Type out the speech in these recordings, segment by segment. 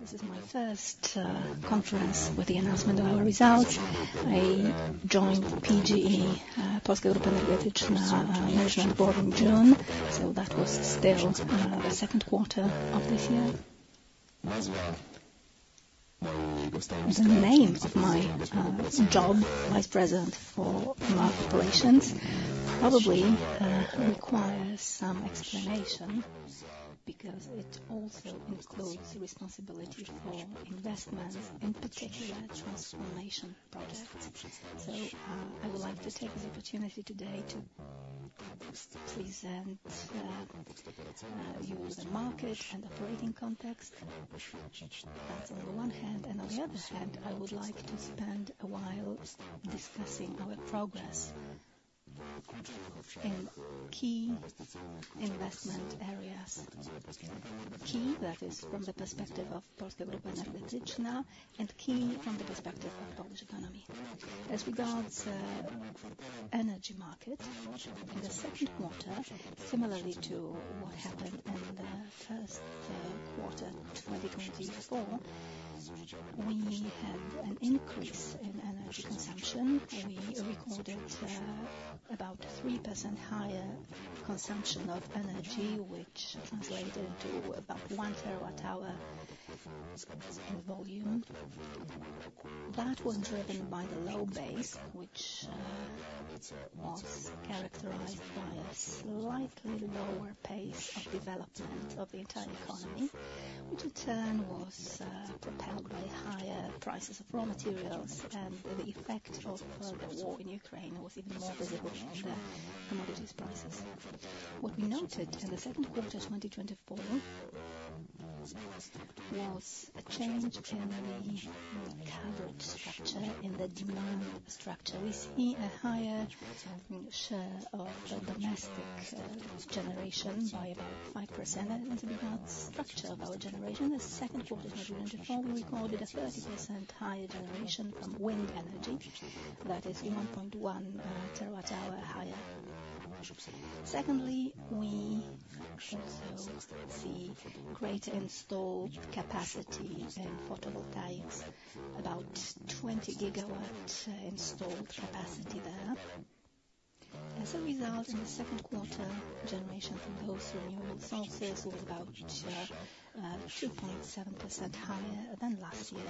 This is my first conference with the announcement of our results. I joined PGE Polska Grupa Energetyczna Management Board in June, so that was still the second quarter of this year. The name of my job, Vice President for Market Operations, probably requires some explanation, because it also includes responsibility for investment, in particular transformation projects. So I would like to take this opportunity today to present you with the market and operating context. That's on the one hand, and on the other hand, I would like to spend a while discussing our progress in key investment areas. Key, that is from the perspective of Polska Grupa Energetyczna, and key from the perspective of Polish economy. As regards energy market, in the second quarter, similarly to what happened in the first quarter, 2024, we had an increase in energy consumption. We recorded about 3% higher consumption of energy, which translated to about 1 TWh in volume. That was driven by the low base, which was characterized by a slightly lower pace of development of the entire economy, which in turn was propelled by higher prices of raw materials, and the effect of the war in Ukraine was even more visible in the commodities prices. What we noted in the second quarter, 2024, was a change in the coverage structure, in the demand structure. We see a higher share of domestic generation by about 5%. regards to the structure of our generation, in the second quarter of 2024, we recorded 30% higher generation from wind energy. That is 1.1 TWh higher. Secondly, we also see great installed capacity in photovoltaics, about 20 GW installed capacity there. As a result, in the second quarter, generation from those renewable sources was about 2.7% higher than last year.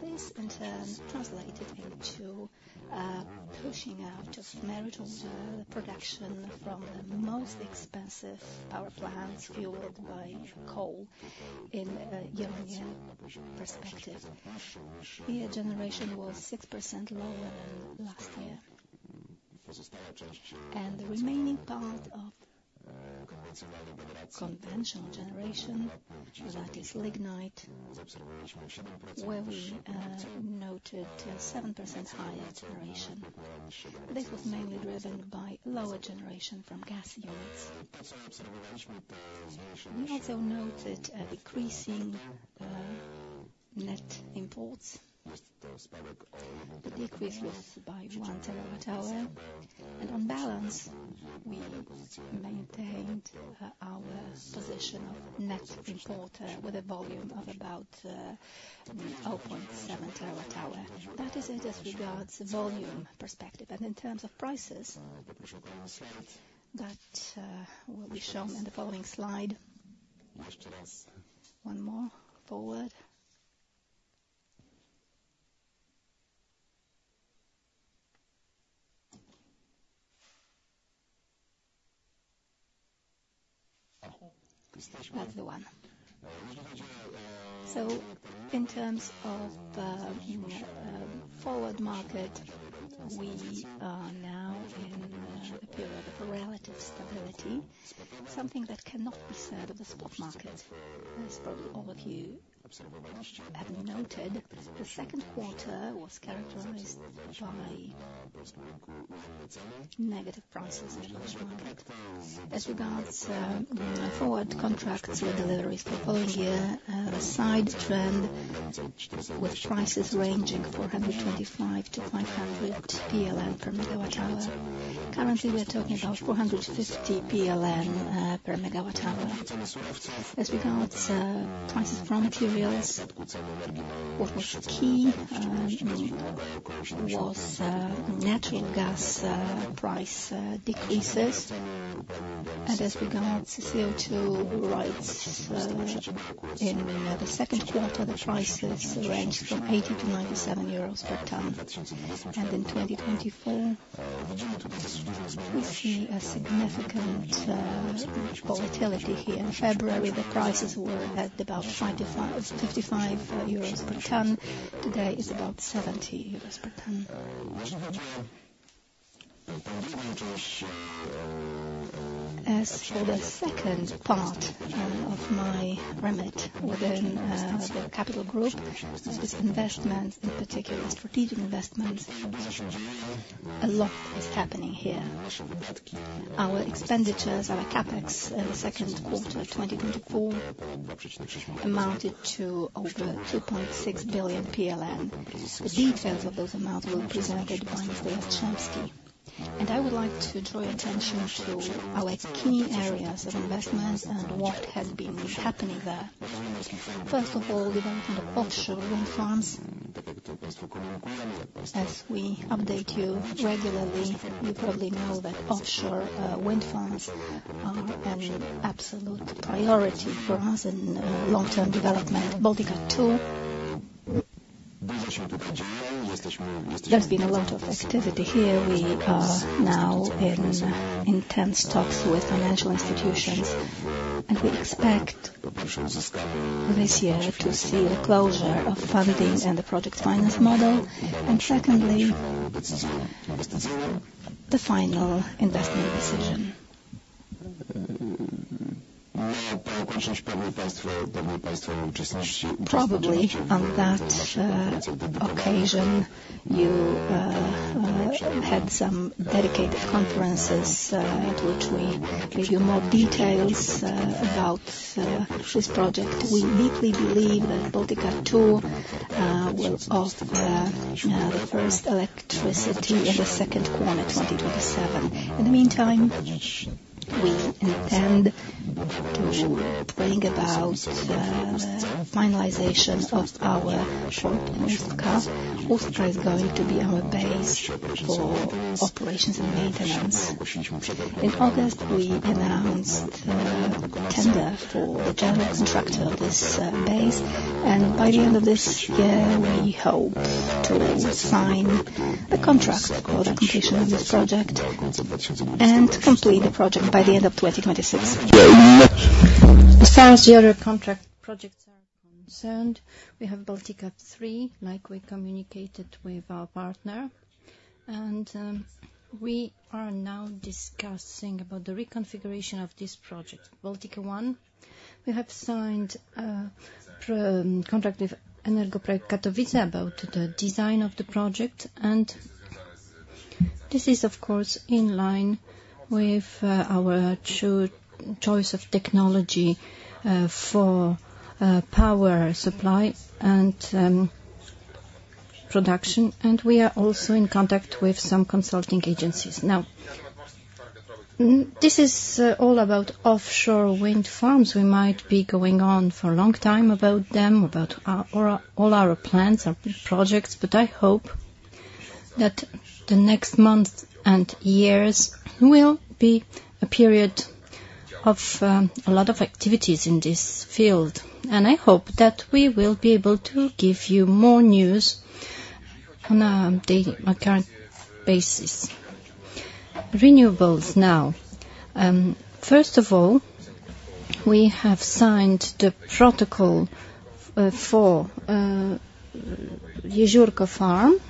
This, in turn, translated into pushing out of merit production from the most expensive power plants fueled by coal in a European perspective. Here, generation was 6% lower than last year. The remaining part of conventional generation, that is lignite, where we noted 7% higher generation. This was mainly driven by lower generation from gas units. We also noted a decreasing net imports. The decrease was by 1 TWh, and on balance, we maintained our position of net importer with a volume of about 0.7 TWh. That is it as regards volume perspective, and in terms of prices, that will be shown in the following slide. One more, forward. That's the one. In terms of the forward market, we are now in a period of relative stability, something that cannot be said of the spot market. As probably all of you have noted, the second quarter was characterized by negative prices in the market. As regards forward contracts with deliveries for the following year, a sideways trend with prices ranging 425 to 500 per megawatt-hour. Currently, we are talking about 450 PLN per megawatt-hour. As regards prices for raw materials, what was key was natural gas price decreases. And as regards to CO2 rights, in the second quarter, the prices ranged from 80 to 97 per ton. And in 2024, we see a significant volatility here. In February, the prices were at about 25.55 euros per ton. Today, it's about 70 euros per ton. As for the second part of my remit within the capital group, is investments, in particular strategic investments. A lot is happening here. Our expenditures, our CapEx, in the second quarter of 2024 amounted to over 2.6 billion PLN. The details of those amounts were presented by Mr. Jastrzębski. And I would like to draw your attention to our key areas of investments and what has been happening there. First of all, development of offshore wind farms. As we update you regularly, you probably know that offshore wind farms are an absolute priority for us in long-term development. Baltica 2, there's been a lot of activity here. We are now in intense talks with financial institutions, and we expect this year to see the closure of funding and the project finance model, and secondly, the final investment decision. Probably, on that occasion, you had some dedicated conferences at which we gave you more details about this project. We deeply believe that Baltica 2 will offer the first electricity in the second quarter, 2027. In the meantime, we intend to bring about finalization of our port in Ustka. Ustka is going to be our base for operations and maintenance. In August, we announced a tender for the general contractor of this base, and by the end of this year, we hope to sign the contract for the completion of this project, and complete the project by the end of 2026. As far as the other contract projects are concerned, we have Baltica 3, like we communicated with our partner, and we are now discussing about the reconfiguration of this project. Baltica 1, we have signed a contract with Energoprojekt-Katowice about the design of the project, and this is, of course, in line with our choice of technology for power supply and production, and we are also in contact with some consulting agencies. Now, this is all about offshore wind farms. We might be going on for a long time about them, about our plans, our projects, but I hope that the next month and years will be a period of a lot of activities in this field, and I hope that we will be able to give you more news on a daily, current basis. Renewables now. First of all, we have signed the protocol for Jeziórko Farm,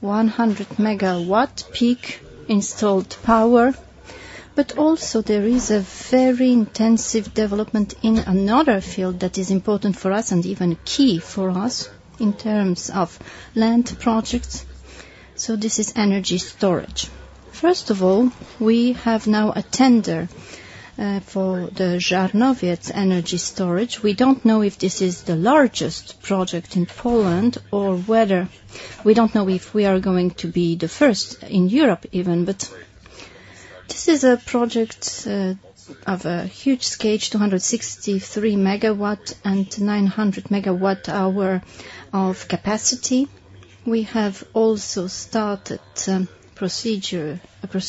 100 megawatt peak installed power, but also there is a very intensive development in another field that is important for us, and even key for us in terms of land projects, so this is energy storage. First of all, we have now a tender for the Żarnowiec energy storage. We don't know if this is the largest project in Poland or whether we are going to be the first in Europe even, but this is a project of a huge scale, 263 MW and 900 MWh of capacity. We have also started a procedure for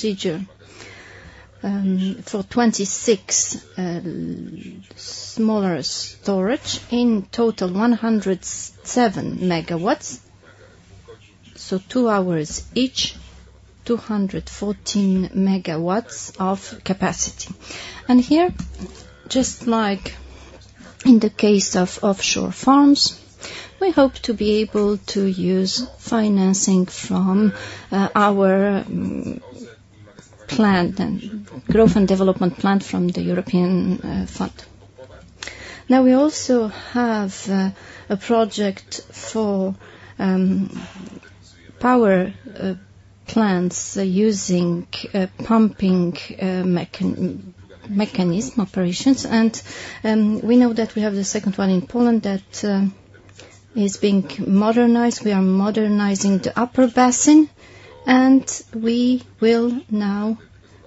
26 smaller storage, in total 107 MW, so two hours each, 214 MW of capacity. And here, just like in the case of offshore farms, we hope to be able to use financing from our Plan for Growth and Development plan from the European Fund. Now, we also have a project for power plants using pumping mechanism operations, and we know that we have the second one in Poland that is being modernized. We are modernizing the upper basin, and we will now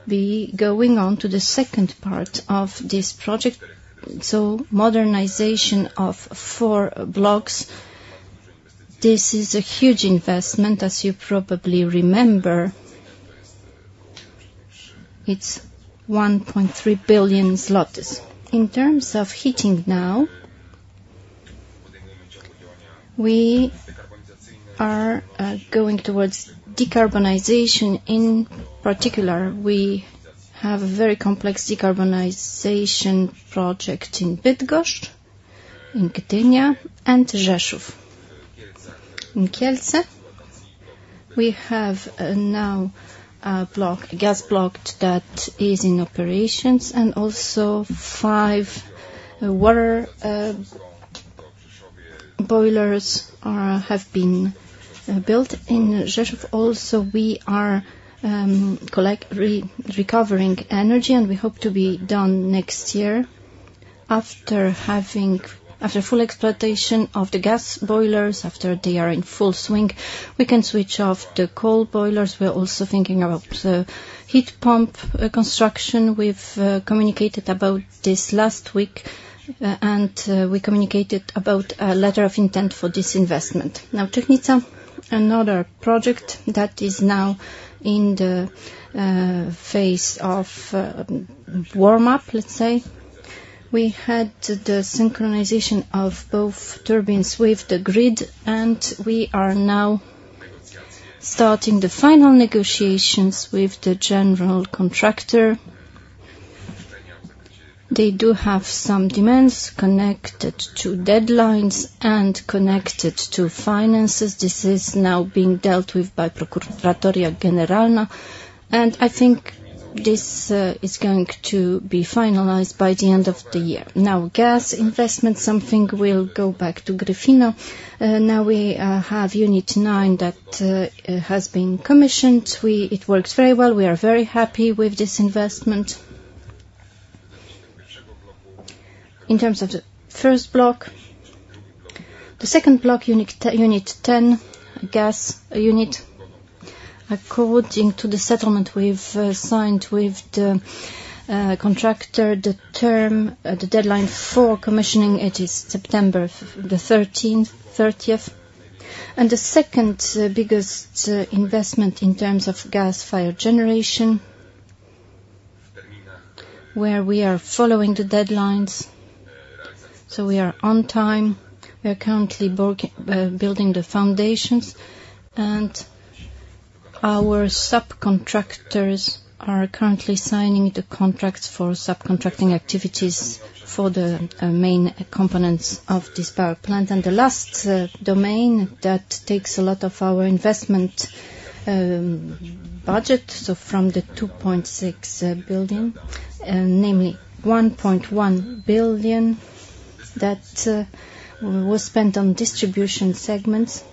be going on to the second part of this project, so modernization of four blocks. This is a huge investment, as you probably remember. It's 1.3 billion zlotys. In terms of heating now, we are going towards decarbonization. In particular, we have a very complex decarbonization project in Bydgoszcz, in Gdynia, and Rzeszów. In Kielce, we have now a block, gas block, that is in operations, and also five water boilers have been built. In Rzeszów also, we are recovering energy, and we hope to be done next year. After having, after full exploitation of the gas boilers, after they are in full swing, we can switch off the coal boilers. We're also thinking about the heat pump construction. We've communicated about this last week, and we communicated about a letter of intent for this investment. Now, Czechowice, another project that is now in the phase of warm up, let's say. We had the synchronization of both turbines with the grid, and we are now starting the final negotiations with the general contractor. They do have some demands connected to deadlines and connected to finances. This is now being dealt with by Prokuratoria Generalna, and I think this is going to be finalized by the end of the year. Now, gas investment, something we'll go back to Gryfino. Now we have Unit 9 that has been commissioned. It works very well. We are very happy with this investment. In terms of the first block, the second block, Unit 10 gas unit, according to the settlement we've signed with the contractor, the deadline for commissioning it is September thirtieth. And the second biggest investment in terms of gas-fired generation, where we are following the deadlines, so we are on time. We are currently building the foundations, and our subcontractors are currently signing the contracts for subcontracting activities for the main components of this power plant. And the last domain that takes a lot of our investment budget, so from the 2.6 billion, namely 1.1 billion, that was spent on distribution segments.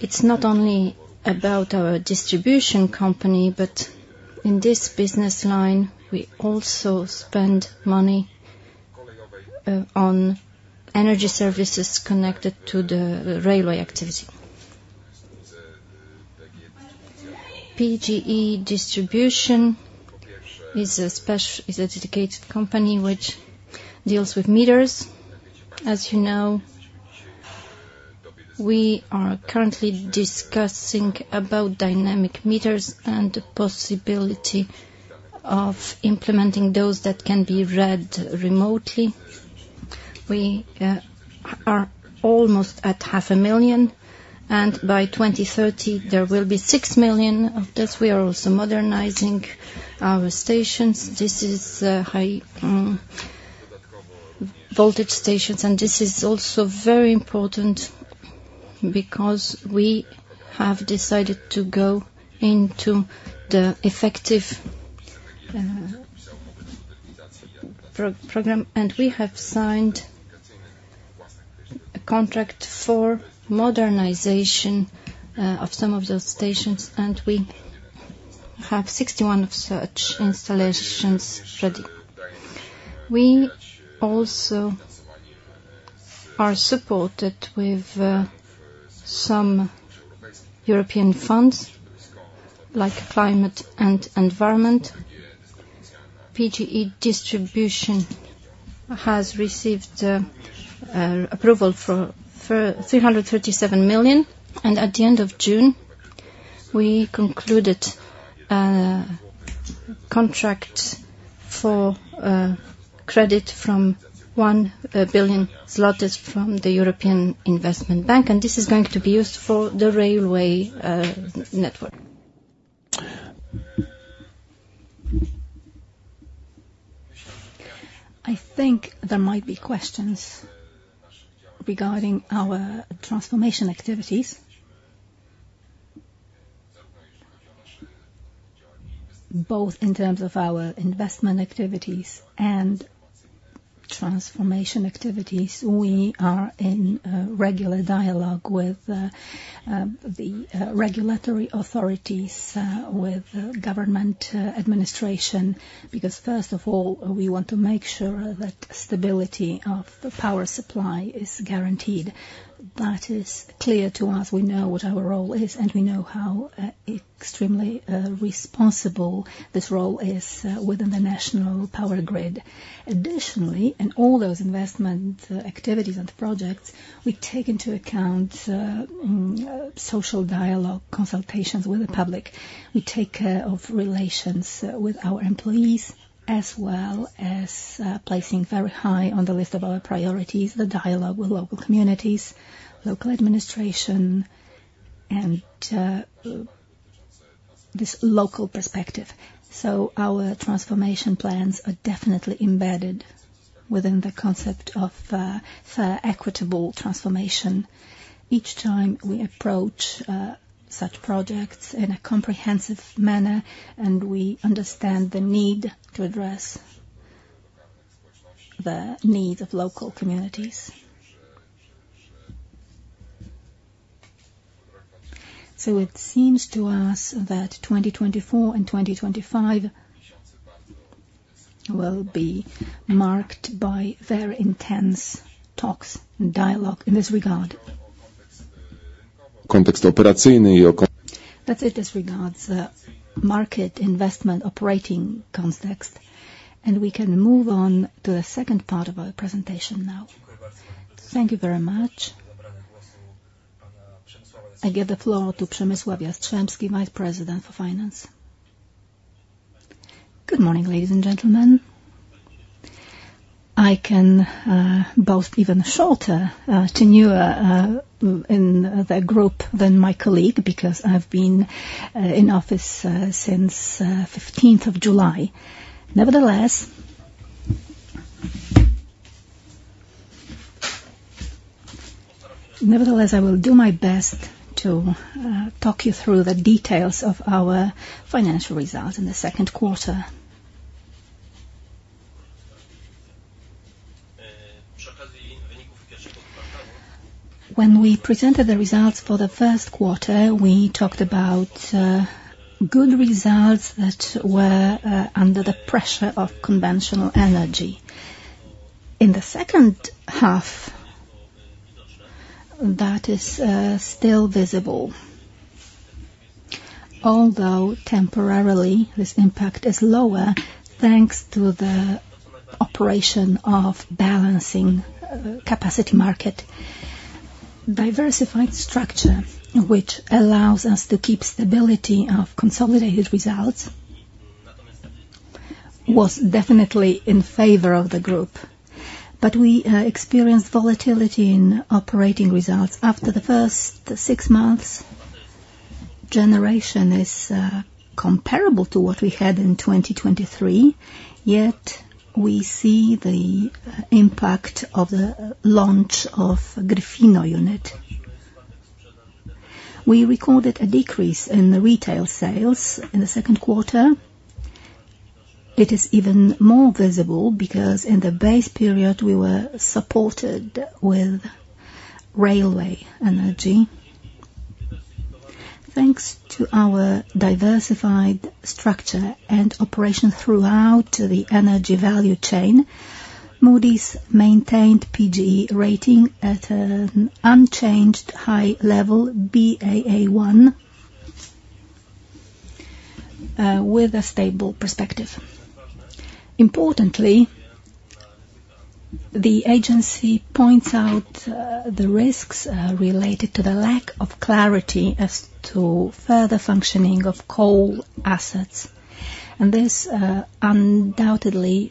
It's not only about our distribution company, but in this business line, we also spend money on energy services connected to the railway activity. PGE Distribution is a dedicated company which deals with meters. As you know, we are currently discussing about dynamic meters and the possibility of implementing those that can be read remotely. We are almost at 500,000, and by 2030, there will be 6 million of these. We are also modernizing our stations. This is high voltage stations, and this is also very important because we have decided to go into the effective program, and we have signed a contract for modernization of some of those stations, and we have 61 of such installations ready. We also are supported with some European funds, like climate and environment. PGE Distribution has received approval for 337 million, and at the end of June, we concluded a contract for credit from 1 billion from the European Investment Bank, and this is going to be used for the railway network. I think there might be questions regarding our transformation activities. Both in terms of our investment activities and transformation activities, we are in regular dialogue with the regulatory authorities, with government administration, because first of all, we want to make sure that stability of the power supply is guaranteed. That is clear to us. We know what our role is, and we know how extremely responsible this role is within the national power grid. Additionally, in all those investment activities and projects, we take into account social dialogue, consultations with the public. We take care of relations with our employees, as well as placing very high on the list of our priorities, the dialogue with local communities, local administration, and this local perspective. So our transformation plans are definitely embedded within the concept of fair, equitable transformation. Each time we approach such projects in a comprehensive manner, and we understand the need to address the needs of local communities. So it seems to us that 2024 and 2025 will be marked by very intense talks and dialogue in this regard. That's it regards market investment operating context, and we can move on to the second part of our presentation now. Thank you very much. I give the floor to Przemysław Jastrzębski, Vice President for Finance. Good morning, ladies and gentlemen. I can boast even shorter tenure in the group than my colleague, because I've been in office since fifteenth of July. Nevertheless, I will do my best to talk you through the details of our financial results in the second quarter. When we presented the results for the first quarter, we talked about good results that were under the pressure of conventional energy. In the second half, that is still visible. Although temporarily, this impact is lower, thanks to the operation of balancing capacity market. Diversified structure, which allows us to keep stability of consolidated results, was definitely in favor of the group. But we experienced volatility in operating results after the first six months. Generation is comparable to what we had in 2023, yet we see the impact of the launch of Gryfino unit. We recorded a decrease in the retail sales in the second quarter. It is even more visible because in the base period, we were supported with Railway Energy. Thanks to our diversified structure and operation throughout the energy value chain, Moody's maintained PGE rating at an unchanged high level, Baa1, with a stable perspective. Importantly, the agency points out the risks related to the lack of clarity as to further functioning of coal assets, and this undoubtedly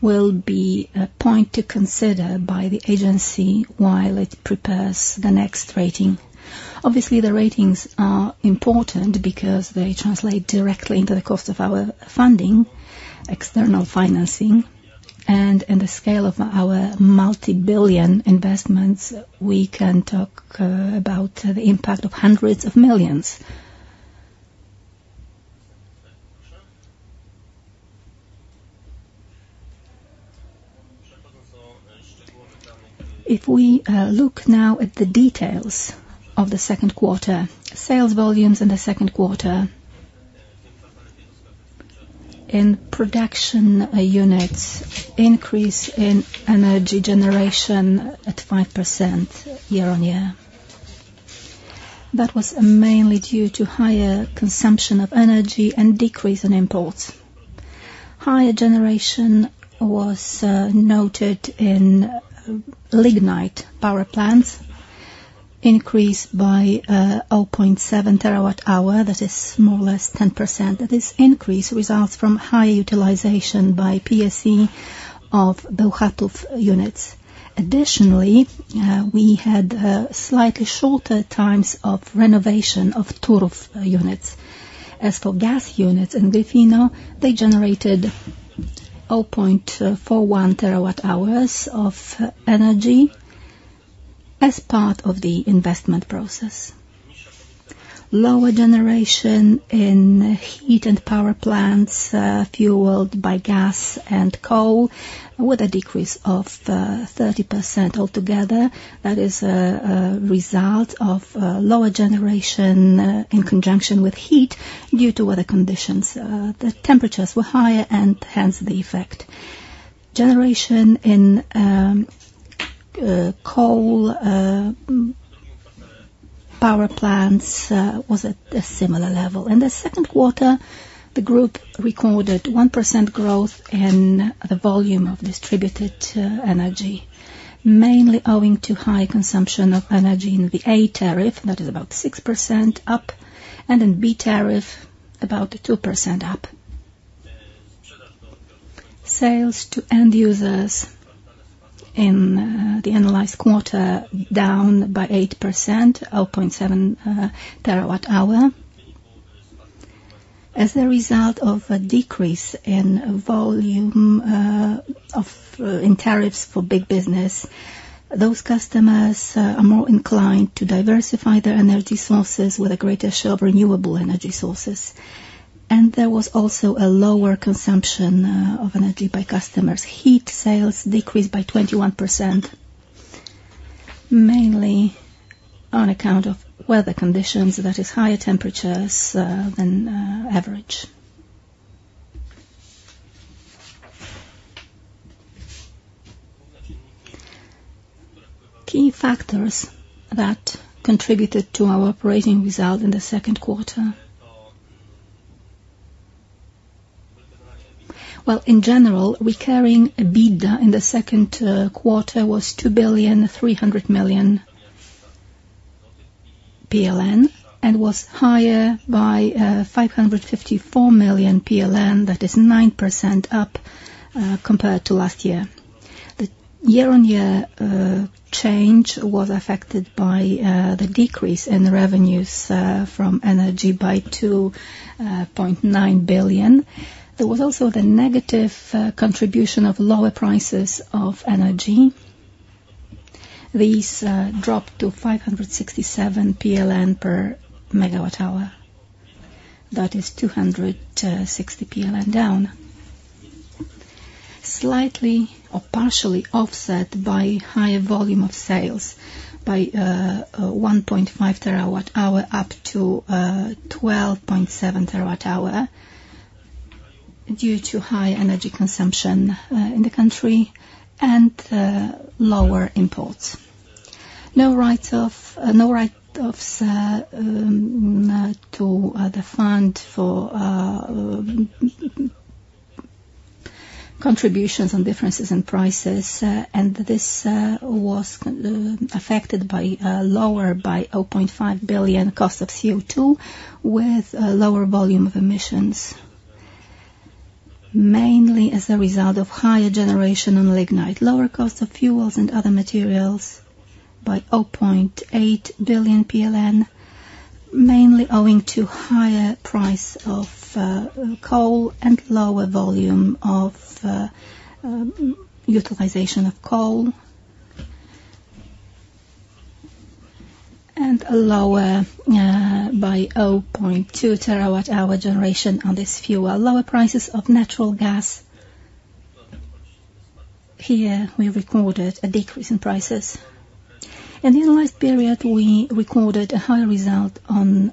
will be a point to consider by the agency while it prepares the next rating. Obviously, the ratings are important because they translate directly into the cost of our funding, external financing, and in the scale of our multibillion investments, we can talk about the impact of hundreds of millions. If we look now at the details of the second quarter, sales volumes in the second quarter, in production units, increase in energy generation at 5% year-on-year. That was mainly due to higher consumption of energy and decrease in imports. Higher generation was noted in lignite power plants, increased by 0.7 TWh, that is more or less 10%. This increase results from high utilization by PSE of Bełchatów units. Additionally, we had slightly shorter times of renovation of Turów units. As for gas units in Gryfino, they generated 0.41 TWh of energy as part of the investment process. Lower generation in heat and power plants fueled by gas and coal, with a decrease of 30% altogether. That is a result of lower generation in conjunction with heat due to weather conditions. The temperatures were higher and hence the effect. Generation in coal power plants was at a similar level. In the second quarter, the group recorded 1% growth in the volume of distributed energy, mainly owing to high consumption of energy in the A Tariff, that is about 6% up, and in B Tariff, about 2% up. Sales to end users in the analyzed quarter down by 8%, 0.7 TWh. As a result of a decrease in volume and in tariffs for big business, those customers are more inclined to diversify their energy sources with a greater share of Renewable Energy sources and there was also a lower consumption of energy by customers. Heat sales decreased by 21%, mainly on account of weather conditions, that is higher temperatures than average. Key factors that contributed to our operating result in the second quarter. In general, recurring EBITDA in the second quarter was 2 billion 300 million and was higher by 554 million PLN, that is 9% up compared to last year. The year-on-year change was affected by the decrease in the revenues from energy by 2.9 billion. There was also the negative contribution of lower prices of energy. These dropped to 567 PLN per megawatt-hour. That is 260 PLN down. Slightly or partially offset by higher volume of sales by 1.5 terawatt hour, up to 12.7 TWh, due to high energy consumption in the country, and lower imports. No right to the fund for contributions on differences in prices, and this was affected by lower by 0.5 billion costs of CO2, with a lower volume of emissions. Mainly as a result of higher generation on lignite, lower cost of fuels and other materials by 0.8 billion PLN, mainly owing to higher price of coal and lower volume of utilization of coal. And a lower by 0.2 terawatt-hour generation on this fuel. Lower prices of natural gas. Here, we recorded a decrease in prices. And in the last period, we recorded a higher result on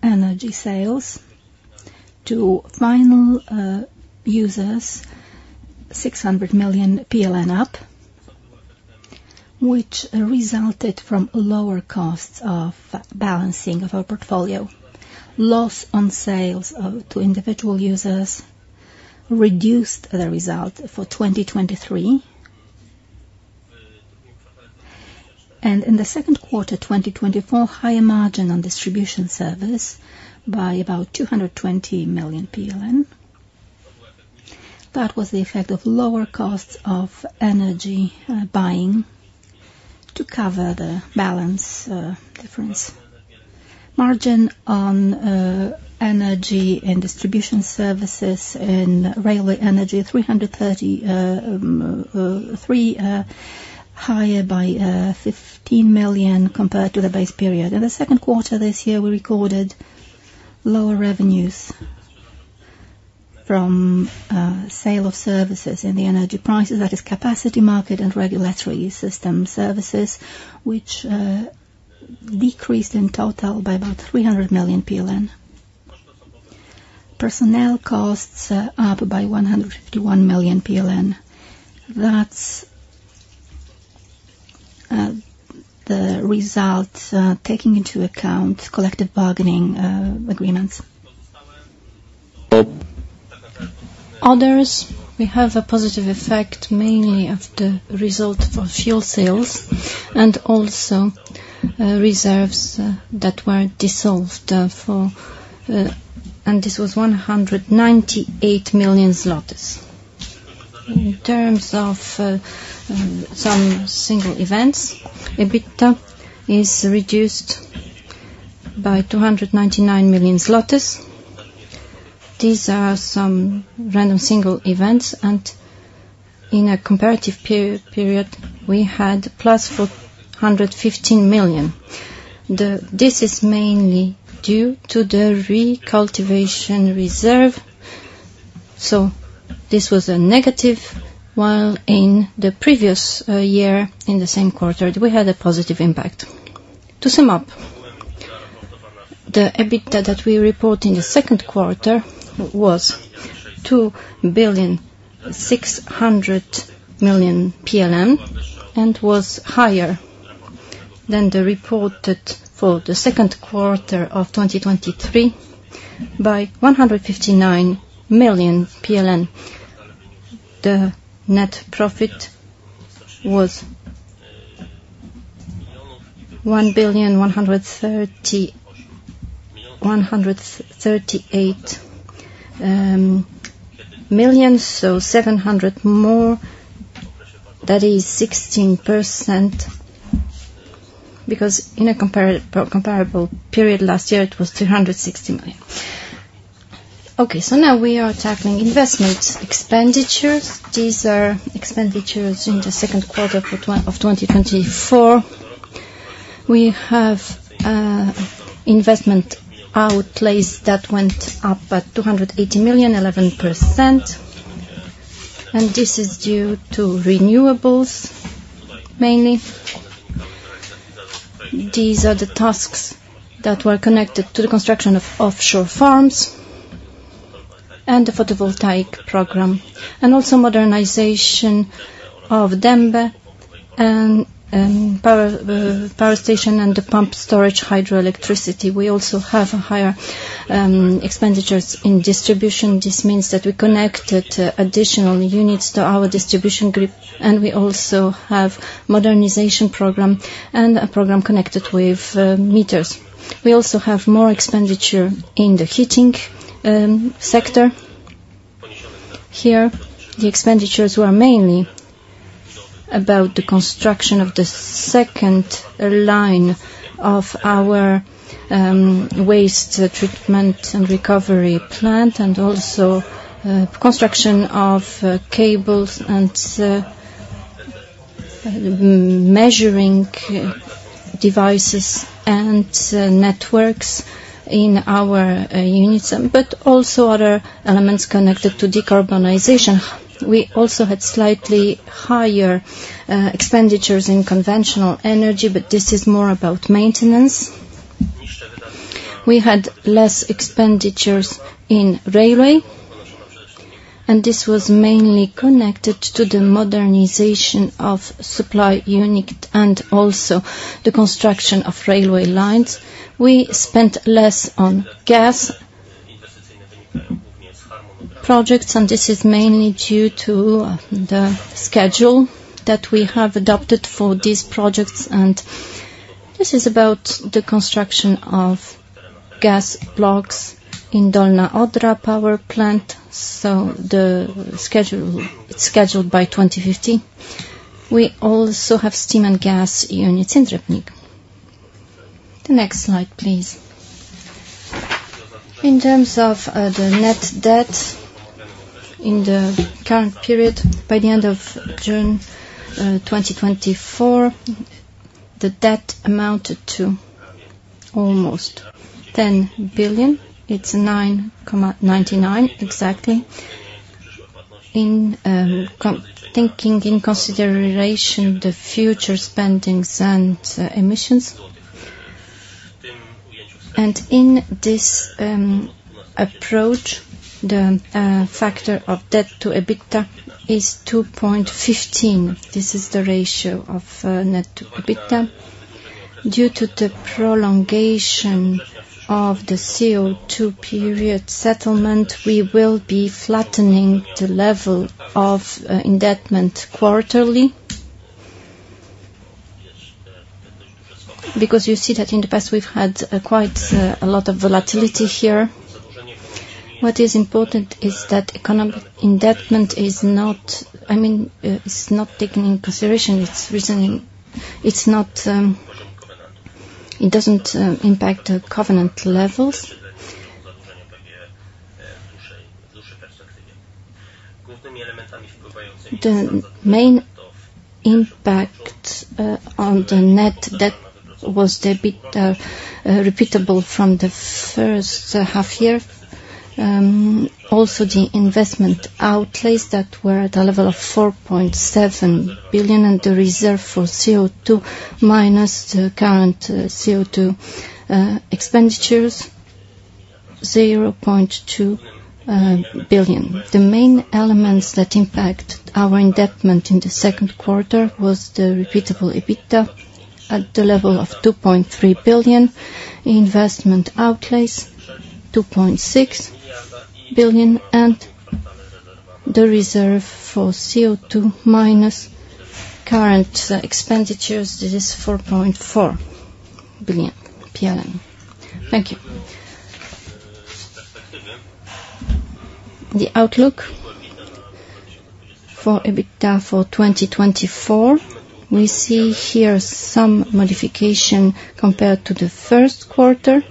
energy sales to final users, 600 million PLN up, which resulted from lower costs of balancing of our portfolio. Loss on sales to individual users reduced the result for 2023. And in the second quarter 2024, higher margin on distribution service by about 220 million PLN. That was the effect of lower costs of energy buying to cover the balance difference. Margin on energy and distribution services in railway energy, 333 higher by 15 million compared to the base period. In the second quarter this year, we recorded lower revenues from sale of services in the energy prices, that is capacity market and regulatory system services, which decreased in total by about 300 million PLN. Personnel costs are up by 151 million PLN. That's the results taking into account collective bargaining agreements. Others, we have a positive effect, mainly of the result for fuel sales and also reserves that were dissolved, and this was 198 million zlotys. In terms of some single events, EBITDA is reduced by 299 million zlotys. These are some random single events, and in a comparative per-period, we had plus 415 million. This is mainly due to the recultivation reserve, so this was a negative, while in the previous year, in the same quarter, we had a positive impact. To sum up, the EBITDA that we report in the second quarter was 2.6 billion, and was higher than the reported for the second quarter of 2023 by 159 million PLN. The net profit was PLN 1.138 billion, so 700 million more. That is 16%, because in a comparable period last year, it was 360 million. Okay, so now we are tackling investment expenditures. These are expenditures in the second quarter of 2024. We have investment outlays that went up at 280 million, 11%, and this is due to renewables, mainly. These are the tasks that were connected to the construction of offshore farms and the photovoltaic program, and also modernization of Dębe Power Station and the pumped-storage hydroelectricity. We also have a higher expenditures in distribution. This means that we connected additional units to our distribution group, and we also have modernization program and a program connected with meters. We also have more expenditure in the heating sector. Here, the expenditures were mainly about the construction of the second line of our waste treatment and recovery plant, and also construction of cables and measuring devices and networks in our units, but also other elements connected to decarbonization. We also had slightly higher expenditures in conventional energy, but this is more about maintenance. We had less expenditures in railway, and this was mainly connected to the modernization of supply unit and also the construction of railway lines. We spent less on gas projects, and this is mainly due to the schedule that we have adopted for these projects, and this is about the construction of gas blocks in Dolna Odra Power Plant, so the schedule it's scheduled by 2050. We also have steam and gas units in Rybnik. The next slide, please. In terms of the net debt in the current period, by the end of June 2024, the debt amounted to almost 10 billion. It's 9.99 exactly. In taking in consideration the future spendings and emissions. In this approach, the factor of debt to EBITDA is 2.15. This is the ratio of net to EBITDA. Due to the prolongation of the CO2 period settlement, we will be flattening the level of indebtedness quarterly. Because you see that in the past, we've had quite a lot of volatility here. What is important is that economic indebtedness is not, I mean, it's not taken into consideration, it's reasoning, it's not, it doesn't impact the covenant levels. The main impact on the net debt was the recurring EBITDA from the first half year. Also, the investment outlays that were at a level of 4.7 billion, and the reserve for CO2 minus the current CO2 expenditures, 0.2 billion. The main elements that impact our income in the second quarter was the repeatable EBITDA at the level of 2.3 billion, investment outlays 2.6 billion, and the reserve for CO2 minus current expenditures; this is 4.4 billion. Thank you. The outlook for EBITDA for 2024, we see here some modification compared to the first quarter.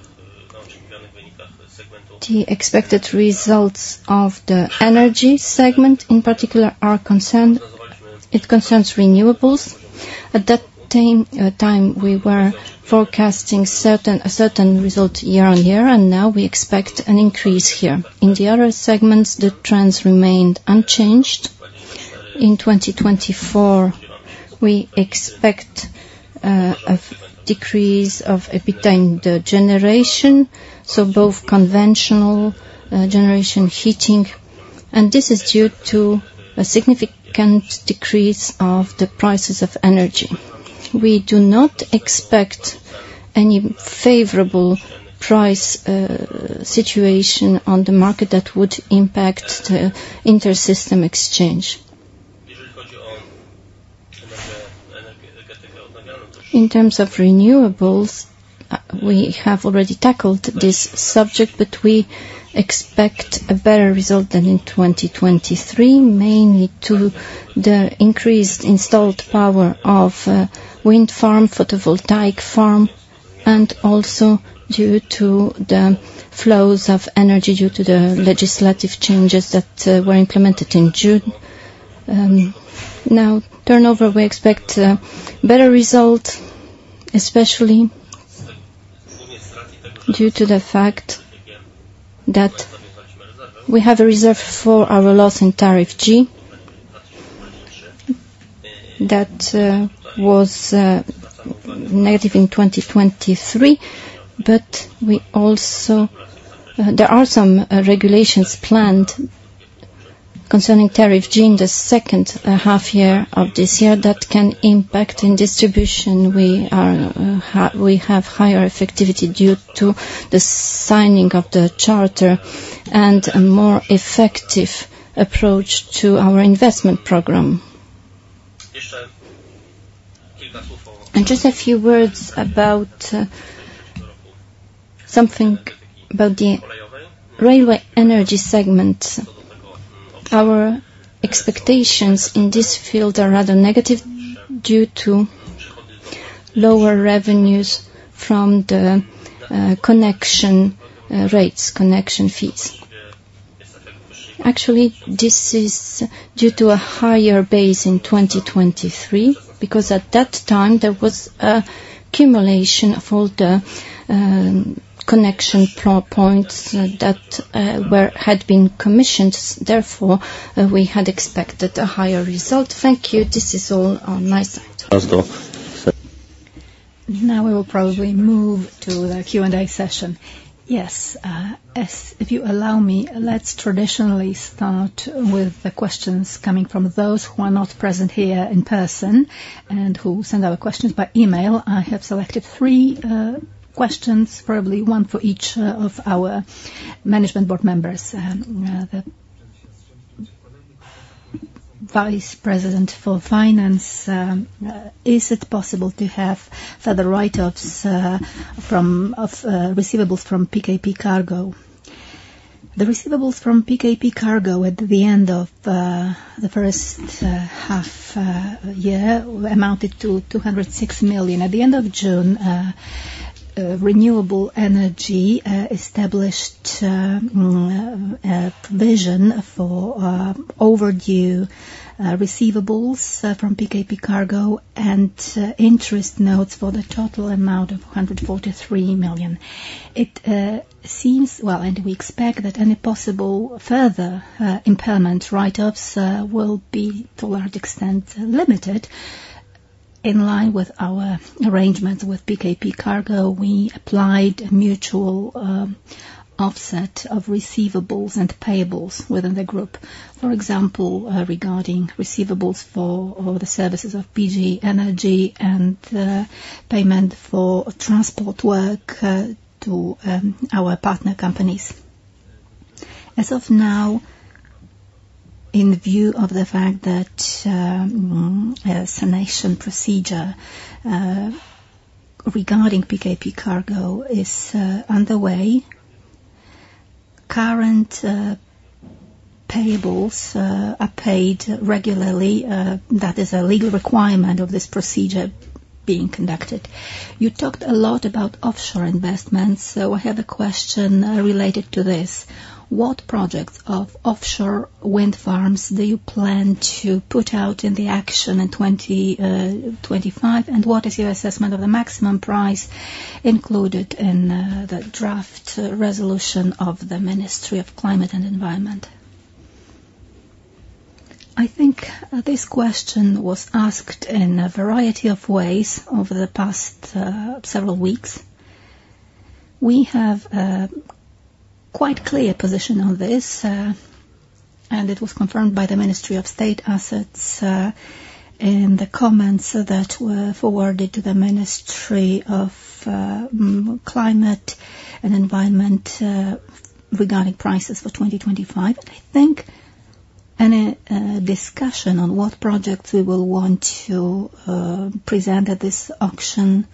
The expected results of the energy segment, in particular, it concerns renewables. At that time, we were forecasting a certain result year-on-year, and now we expect an increase here. In the other segments, the trends remained unchanged. In 2024, we expect a decrease of EBITDA in the generation, so both conventional generation heating, and this is due to a significant decrease of the prices of energy. We do not expect any favorable price situation on the market that would impact the intersystem exchange. In terms of renewables, we have already tackled this subject, but we expect a better result than in 2023, mainly to the increased installed power of wind farm, photovoltaic farm, and also due to the flows of energy, due to the legislative changes that were implemented in June. Now, turnover, we expect a better result, especially due to the fact that we have a reserve for our loss in Tariff G. That was negative in 2023, but we also there are some regulations planned concerning Tariff G in the second half year of this year that can impact. In distribution, we have higher effectivity due to the signing of the charter and a more effective approach to our investment program. Just a few words about something about the railway energy segment. Our expectations in this field are rather negative due to lower revenues from the connection rates, connection fees. Actually, this is due to a higher base in 2023, because at that time, there was a cumulation of all the connection power points that had been commissioned. Therefore, we had expected a higher result. Thank you. This is all on my side. Now we will probably move to the Q&A session. Yes, as if you allow me, let's traditionally start with the questions coming from those who are not present here in person, and who send their questions by email. I have selected three questions, probably one for each of our management board members. The vice president for finance: Is it possible to have further write-offs from of receivables from PKP Cargo? The receivables from PKP Cargo at the end of the first half year amounted to 206 million. At the end of June, Renewable Energy established a provision for overdue receivables from PKP Cargo, and interest notes for the total amount of 143 million. It seems well, and we expect that any possible further impairment write-offs will be, to a large extent, limited. In line with our arrangement with PKP Cargo, we applied a mutual offset of receivables and payables within the group. For example, regarding receivables for, or the services of PGE and payment for transport work to our partner companies. As of now, in view of the fact that a sanation procedure regarding PKP Cargo is underway, current payables are paid regularly, that is a legal requirement of this procedure being conducted. You talked a lot about offshore investments, so I have a question related to this: What projects of offshore wind farms do you plan to put out in the auction in 2025? What is your assessment of the maximum price included in the draft resolution of the Ministry of Climate and Environment? I think this question was asked in a variety of ways over the past several weeks. We have a quite clear position on this, and it was confirmed by the Ministry of State Assets in the comments that were forwarded to the Ministry of Climate and Environment regarding prices for 2025. I think any discussion on what projects we will want to present at this auction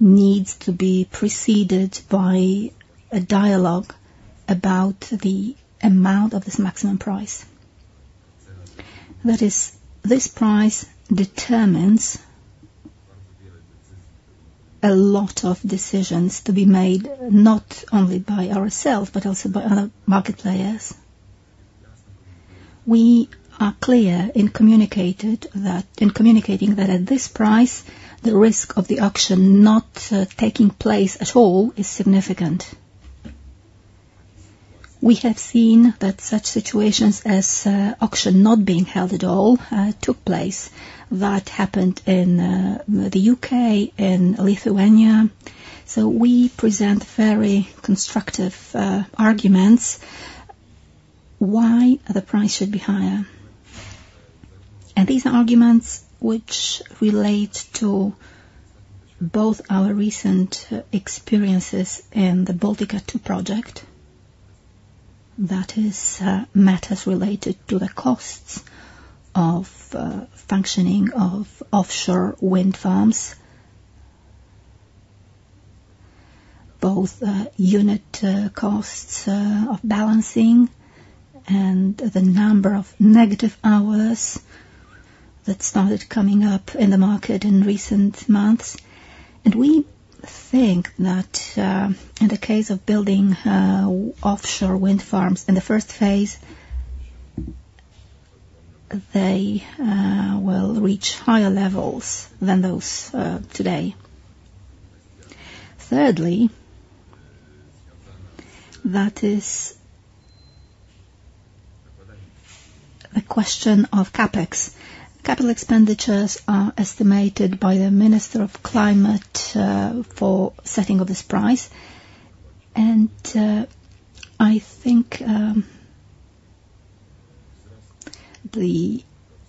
needs to be preceded by a dialogue about the amount of this maximum price. That is, this price determines a lot of decisions to be made, not only by ourselves, but also by other market players. We are clear and communicated that, in communicating that at this price, the risk of the auction not taking place at all is significant. We have seen that such situations as auction not being held at all took place. That happened in the UK, in Lithuania, so we present very constructive arguments why the price should be higher. And these are arguments which relate to both our recent experiences in the Baltica 2 project, that is, matters related to the costs of functioning of offshore wind farms both unit costs of balancing and the number of negative hours that started coming up in the market in recent months. And we think that in the case of building offshore wind farms, in the first phase, they will reach higher levels than those today. Thirdly, that is a question of CapEx. Capital expenditures are estimated by the Minister of Climate for setting of this price, and I think the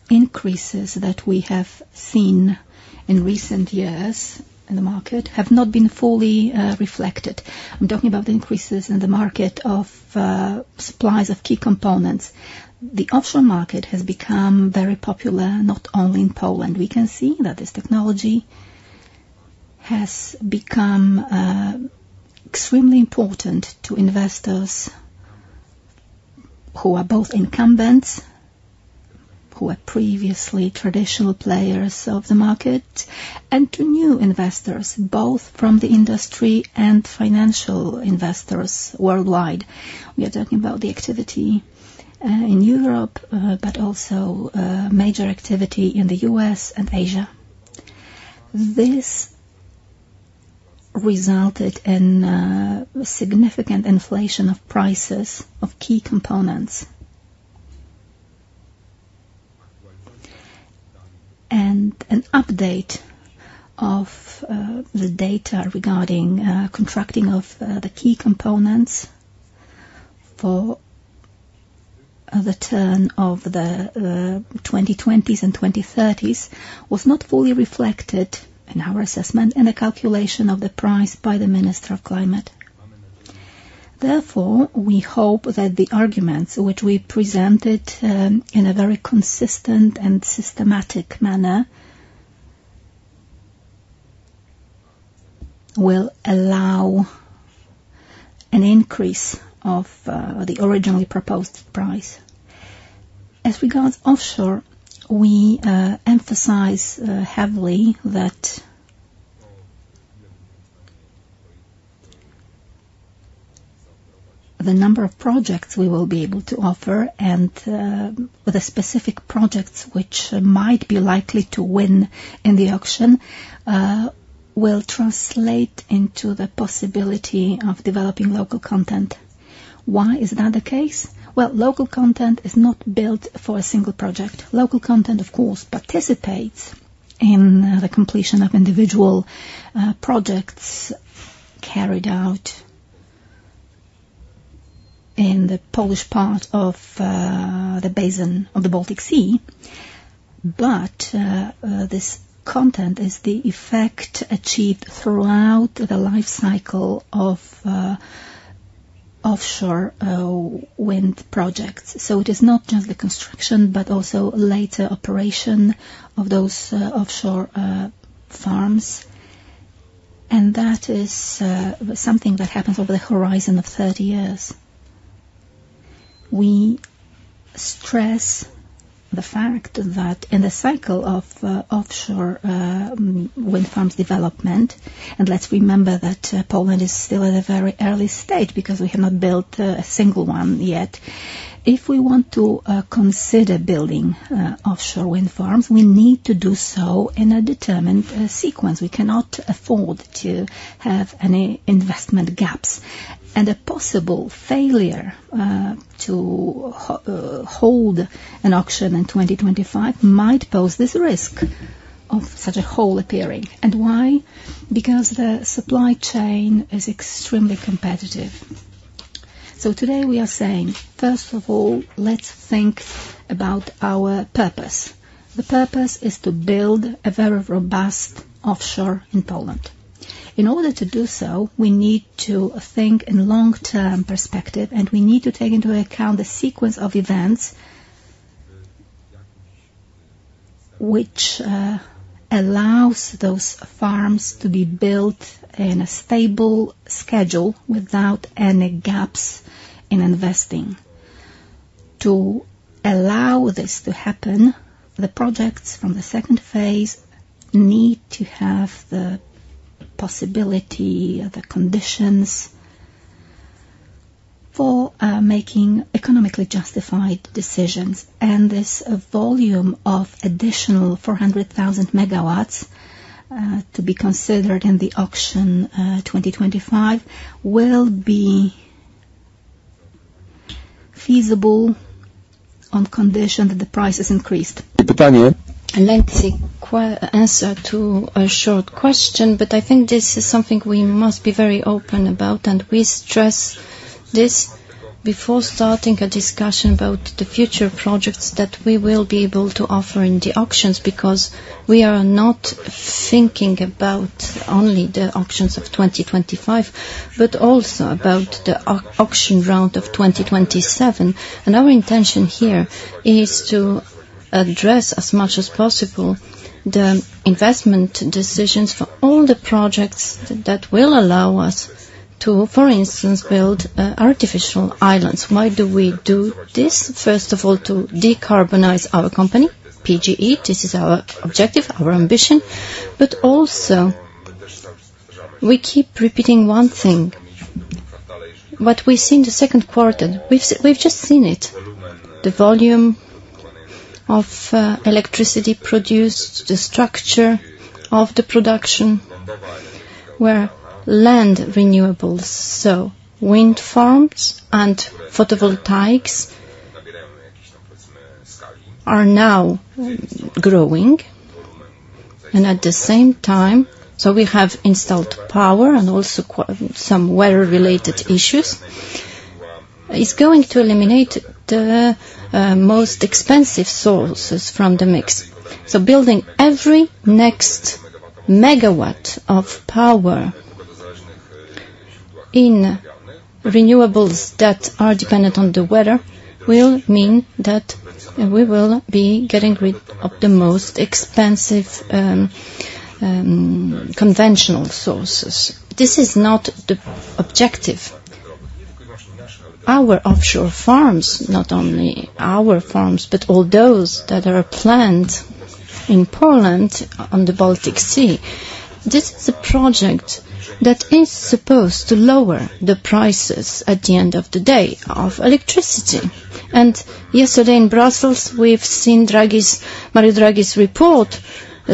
increases that we have seen in recent years in the market have not been fully reflected. I'm talking about the increases in the market of supplies of key components. The offshore market has become very popular, not only in Poland. We can see that this technology has become extremely important to investors who are both incumbents, who were previously traditional players of the market, and to new investors, both from the industry and financial investors worldwide. We are talking about the activity in Europe, but also major activity in the U.S. and Asia. This resulted in significant inflation of prices of key components. An update of the data regarding contracting of the key components for the turn of the 2020's and 2030's was not fully reflected in our assessment and the calculation of the price by the Minister of Climate. Therefore, we hope that the arguments which we presented in a very consistent and systematic manner will allow an increase of the originally proposed price. As regards offshore, we emphasize heavily that the number of projects we will be able to offer and the specific projects which might be likely to win in the auction will translate into the possibility of developing local content. Why is that the case? Local content is not built for a single project. Local content, of course, participates in the completion of individual projects carried out in the Polish part of the basin of the Baltic Sea. But this content is the effect achieved throughout the life cycle of offshore wind projects. So it is not just the construction, but also later operation of those offshore farms. And that is something that happens over the horizon of 30 years. We stress the fact that in the cycle of offshore wind farms development, and let's remember that Poland is still at a very early stage because we have not built a single one yet. If we want to consider building offshore wind farms, we need to do so in a determined sequence. We cannot afford to have any investment gaps. A possible failure to hold an auction in 2025 might pose this risk of such a hole appearing. Why? Because the supply chain is extremely competitive. Today we are saying, first of all, let's think about our purpose. The purpose is to build a very robust offshore in Poland. In order to do so, we need to think in long-term perspective, and we need to take into account the sequence of events, which allows those farms to be built in a stable schedule without any gaps in investing. To allow this to happen, the projects from the second phase need to have the possibility, the conditions for making economically justified decisions. This volume of additional 400,000 megawatts to be considered in the auction 2025 will be feasible on condition that the price is increased. Let's require answer to a short question, but I think this is something we must be very open about, and we stress this before starting a discussion about the future projects that we will be able to offer in the auctions. Because we are not thinking about only the auctions of 2025, but also about the auction round of 2027. And our intention here is to address as much as possible the investment decisions for all the projects that will allow us to, for instance, build artificial islands. Why do we do this? First of all, to decarbonize our company, PGE. This is our objective, our ambition, but also we keep repeating one thing, what we see in the second quarter. We've just seen it, the volume of electricity produced, the structure of the production, where land renewables, so wind farms and photovoltaics are now growing, and at the same time, so we have installed power and also some weather-related issues. It's going to eliminate the most expensive sources from the mix. So building every next megawatt of power in renewables that are dependent on the weather will mean that we will be getting rid of the most expensive conventional sources. This is not the objective. Our offshore farms, not only our farms, but all those that are planned in Poland on the Baltic Sea, this is a project that is supposed to lower the prices at the end of the day of electricity. And yesterday in Brussels, we've seen Draghi's, Mario Draghi's report,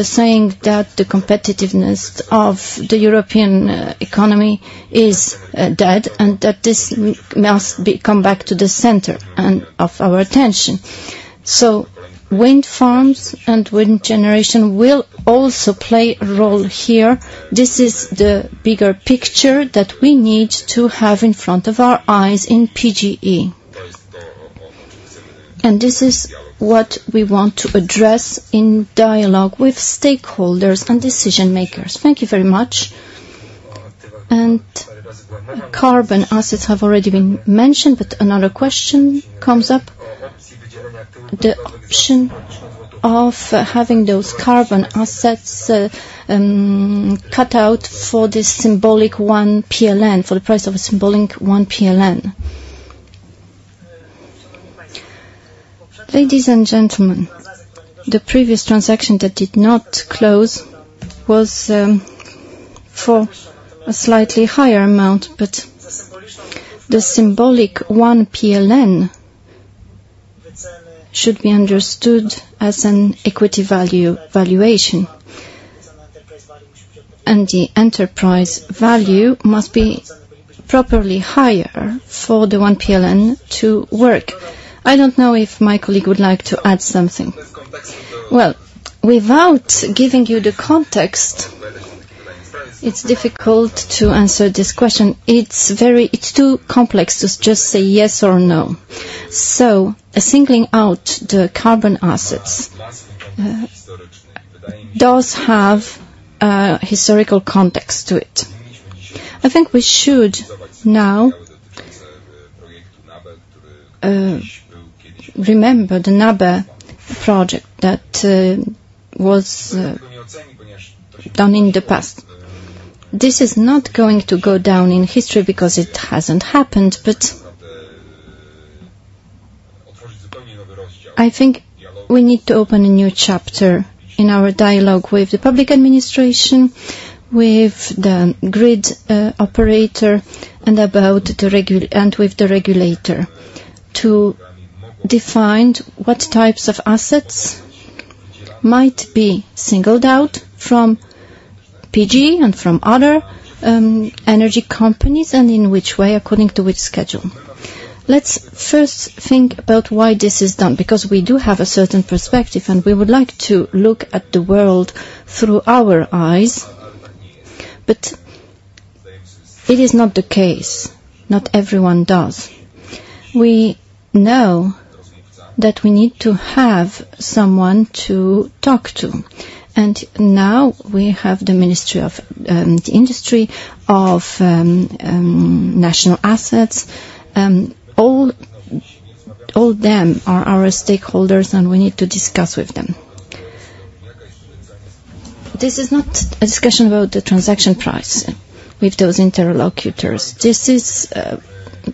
saying that the competitiveness of the European economy is dead, and that this must come back to the center of our attention. So wind farms and wind generation will also play a role here. This is the bigger picture that we need to have in front of our eyes in PGE. And this is what we want to address in dialogue with stakeholders and decision makers. Thank you very much. And carbon assets have already been mentioned, but another question comes up. The option of having those coal assets cut out for this symbolic 1 PLN, for the price of a symbolic 1 PLN. Ladies and gentlemen, the previous transaction that did not close was for a slightly higher amount, but the symbolic 1 PLN should be understood as an equity value valuation, and the enterprise value must be properly higher for the 1 to work. I don't know if my colleague would like to add something. Well, without giving you the context, it's difficult to answer this question. It's too complex to just say yes or no, so singling out the coal assets does have a historical context to it. I think we should now remember the NABE project that was done in the past. This is not going to go down in history because it hasn't happened, but I think we need to open a new chapter in our dialogue with the public administration, with the grid operator, and with the regulator, to define what types of assets might be singled out from PGE and from other energy companies, and in which way, according to which schedule. Let's first think about why this is done, because we do have a certain perspective, and we would like to look at the world through our eyes, but it is not the case. Not everyone does. We know that we need to have someone to talk to, and now we have the Ministry of Industry, of National Assets, all them are our stakeholders, and we need to discuss with them. This is not a discussion about the transaction price with those interlocutors. This is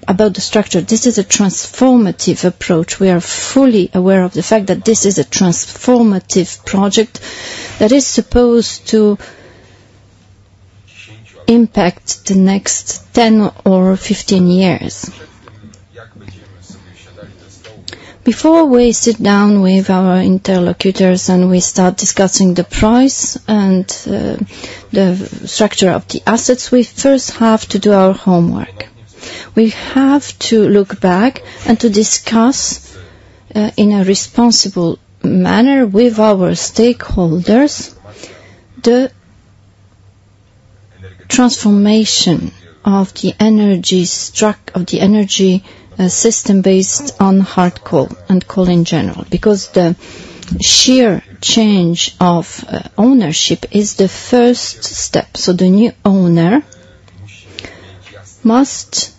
about the structure. This is a transformative approach. We are fully aware of the fact that this is a transformative project that is supposed to impact the next 10 or 15 years. Before we sit down with our interlocutors and we start discussing the price and the structure of the assets, we first have to do our homework. We have to look back and to discuss in a responsible manner with our stakeholders, the transformation of the energy structure of the energy system based on hard coal and coal in general, because the sheer change of ownership is the first step. So the new owner must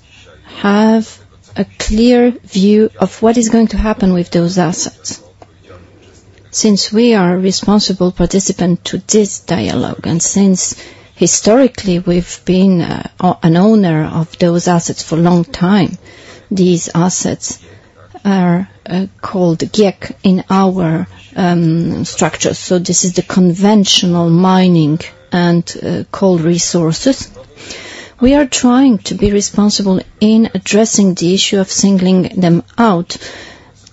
have a clear view of what is going to happen with those assets. Since we are a responsible participant to this dialogue, and since historically, we've been an owner of those assets for a long time, these assets are called GiEK in our structure. So this is the conventional mining and coal resources. We are trying to be responsible in addressing the issue of singling them out,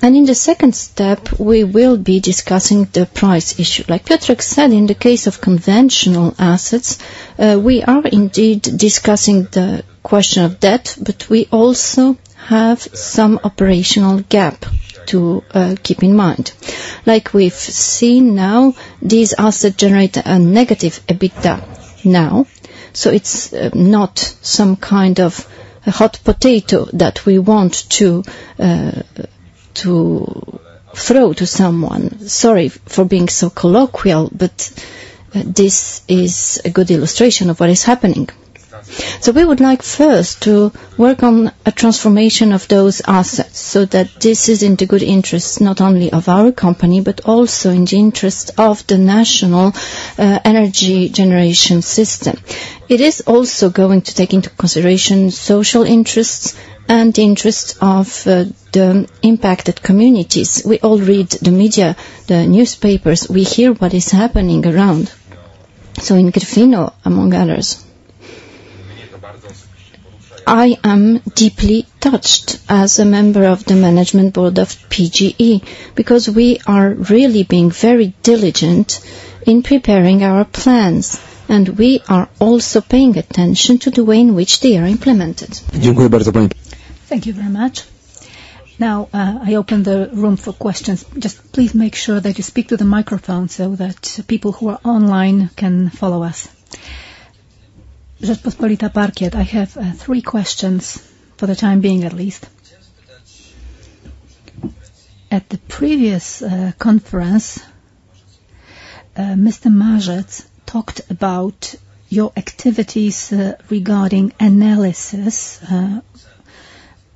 and in the second step, we will be discussing the price issue. Like Piotr said, in the case of conventional assets, we are indeed discussing the question of debt, but we also have some operational gap to keep in mind. Like we've seen now, these assets generate a negative EBITDA now, so it's not some kind of a hot potato that we want to throw to someone. Sorry for being so colloquial, but this is a good illustration of what is happening. So we would like first to work on a transformation of those assets so that this is in the good interest, not only of our company, but also in the interest of the national energy generation system. It is also going to take into consideration social interests and the interests of the impacted communities. We all read the media, the newspapers. We hear what is happening around. So in Gryfino, among others. I am deeply touched as a member of the management board of PGE, because we are really being very diligent in preparing our plans, and we are also paying attention to the way in which they are implemented. Thank you very much. Now, I open the room for questions. Just please make sure that you speak to the microphone so that people who are online can follow us. Rzeczpospolita, Parkiet, I have three questions for the time being, at least. At the previous conference, Mr. Maciej talked about your activities regarding analysis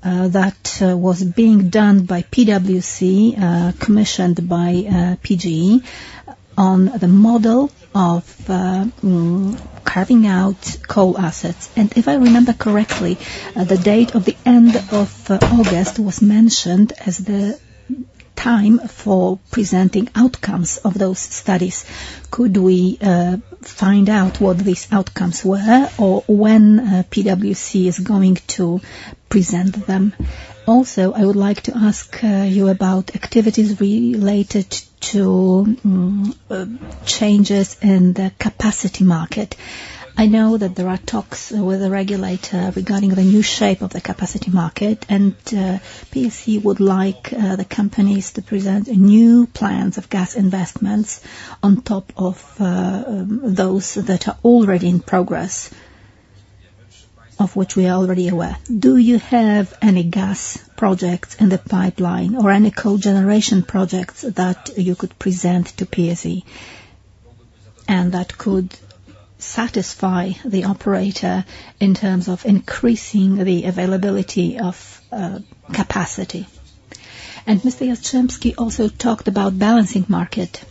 that was being done by PwC, commissioned by PGE, on the model of carving out coal assets. If I remember correctly, the date of the end of August was mentioned as the time for presenting outcomes of those studies. Could we find out what these outcomes were, or when PwC is going to present them? Also, I would like to ask you about activities related to changes in the capacity market. I know that there are talks with the regulator regarding the new shape of the capacity market, and PSE would like the companies to present new plans of gas investments on top of those that are already in progress, of which we are already aware. Do you have any gas projects in the pipeline or any cogeneration projects that you could present to PSE, and that could satisfy the operator in terms of increasing the availability of capacity? And Mr. Jastrzębski also talked about balancing market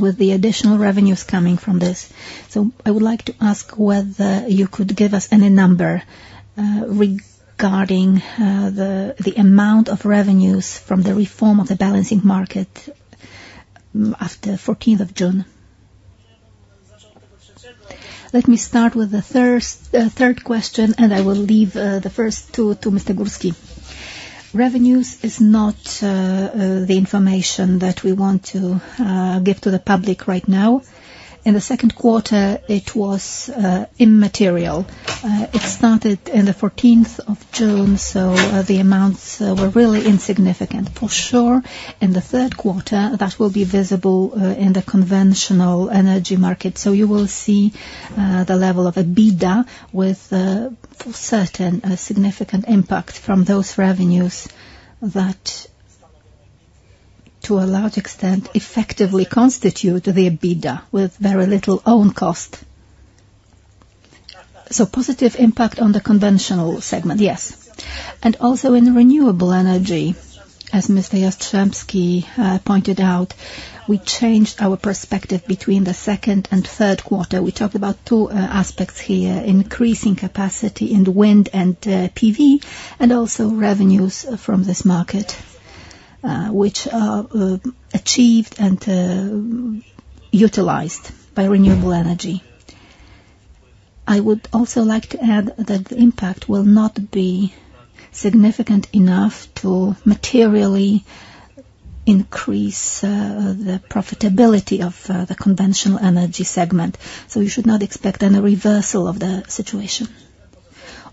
with the additional revenues coming from this. So I would like to ask whether you could give us any number regarding the amount of revenues from the reform of the balancing market after 14th of June. Let me start with the first, third question, and I will leave the first two to Mr. Górski. Revenues is not the information that we want to give to the public right now. In the second quarter, it was immaterial. It started in the 14th of June, so the amounts were really insignificant. For sure, in the third quarter, that will be visible in the conventional energy market. So you will see the level of EBITDA with, for certain, a significant impact from those revenues that, to a large extent, effectively constitute the EBITDA with very little own cost. So positive impact on the conventional segment, yes, and also in Renewable Energy, as Mr. Jastrzębski pointed out, we changed our perspective between the second and third quarter. We talked about two aspects here, increasing capacity in the wind and PV, and also revenues from this market, which are achieved and utilized by Renewable Energy. I would also like to add that the impact will not be significant enough to materially increase the profitability of the conventional energy segment, so you should not expect any reversal of the situation.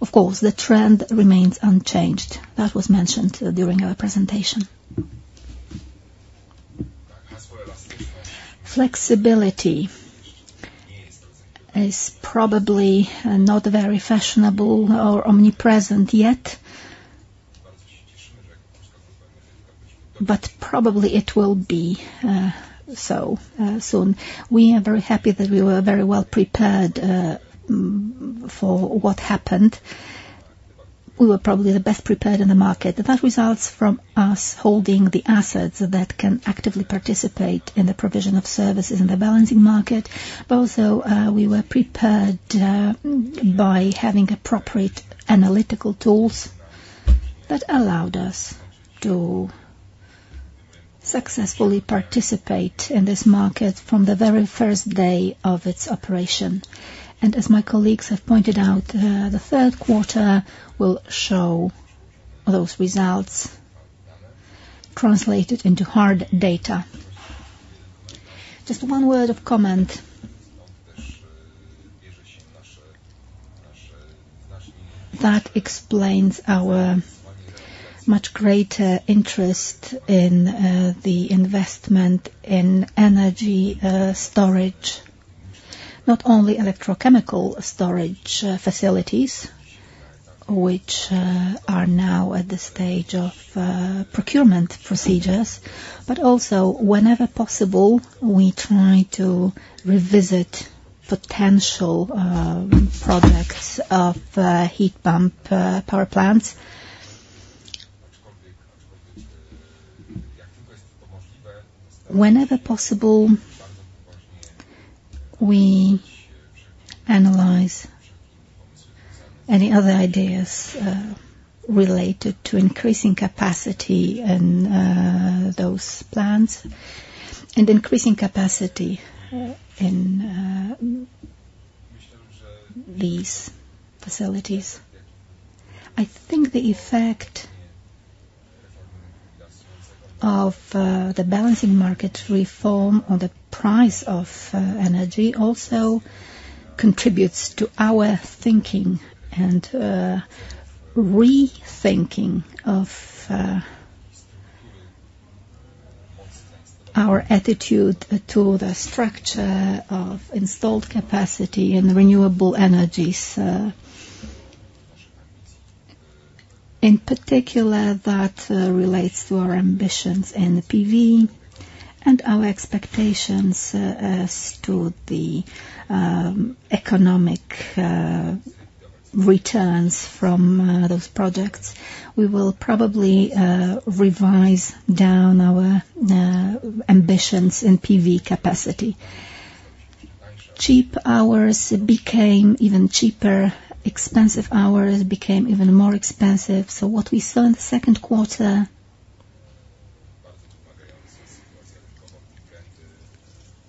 Of course, the trend remains unchanged. That was mentioned during our presentation. Flexibility is probably not very fashionable or omnipresent yet. But probably it will be soon. We are very happy that we were very well prepared for what happened. We were probably the best prepared in the market. That results from us holding the assets that can actively participate in the provision of services in the balancing market. But also, we were prepared by having appropriate analytical tools that allowed us to successfully participate in this market from the very first day of its operation. And as my colleagues have pointed out, the third quarter will show those results translated into hard data. Just one word of comment. That explains our much greater interest in the investment in energy storage, not only electrochemical storage facilities, which are now at the stage of procurement procedures, but also whenever possible, we try to revisit potential projects of heat pump power plants. Whenever possible, we analyze any other ideas related to increasing capacity and those plans, and increasing capacity in these facilities. I think the effect of the balancing market reform on the price of energy also contributes to our thinking and rethinking of our attitude to the structure of installed capacity and renewable energies. In particular, that relates to our ambitions in the PV and our expectations as to the economic returns from those projects. We will probably revise down our ambitions in PV capacity. Cheap hours became even cheaper, expensive hours became even more expensive. So what we saw in the second quarter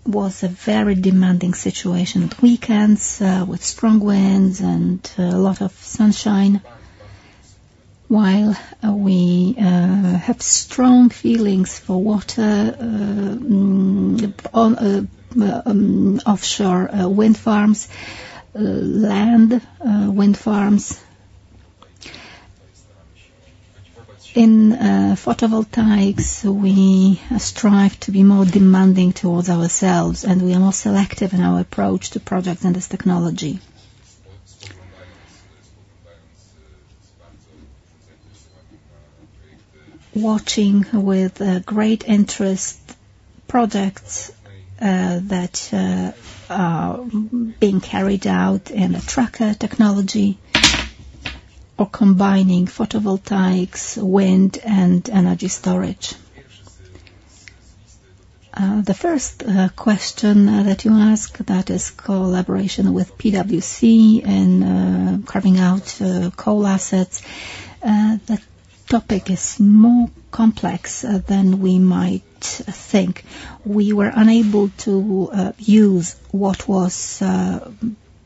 was a very demanding situation at weekends with strong winds and a lot of sunshine. While we have strong feelings for water on offshore wind farms, land wind farms. In photovoltaics, we strive to be more demanding towards ourselves, and we are more selective in our approach to projects and this technology. Watching with great interest projects that are being carried out in the tracker technology, or combining photovoltaics, wind and energy storage. The first question that you ask, that is collaboration with PwC and carving out coal assets. That topic is more complex than we might think. We were unable to use what was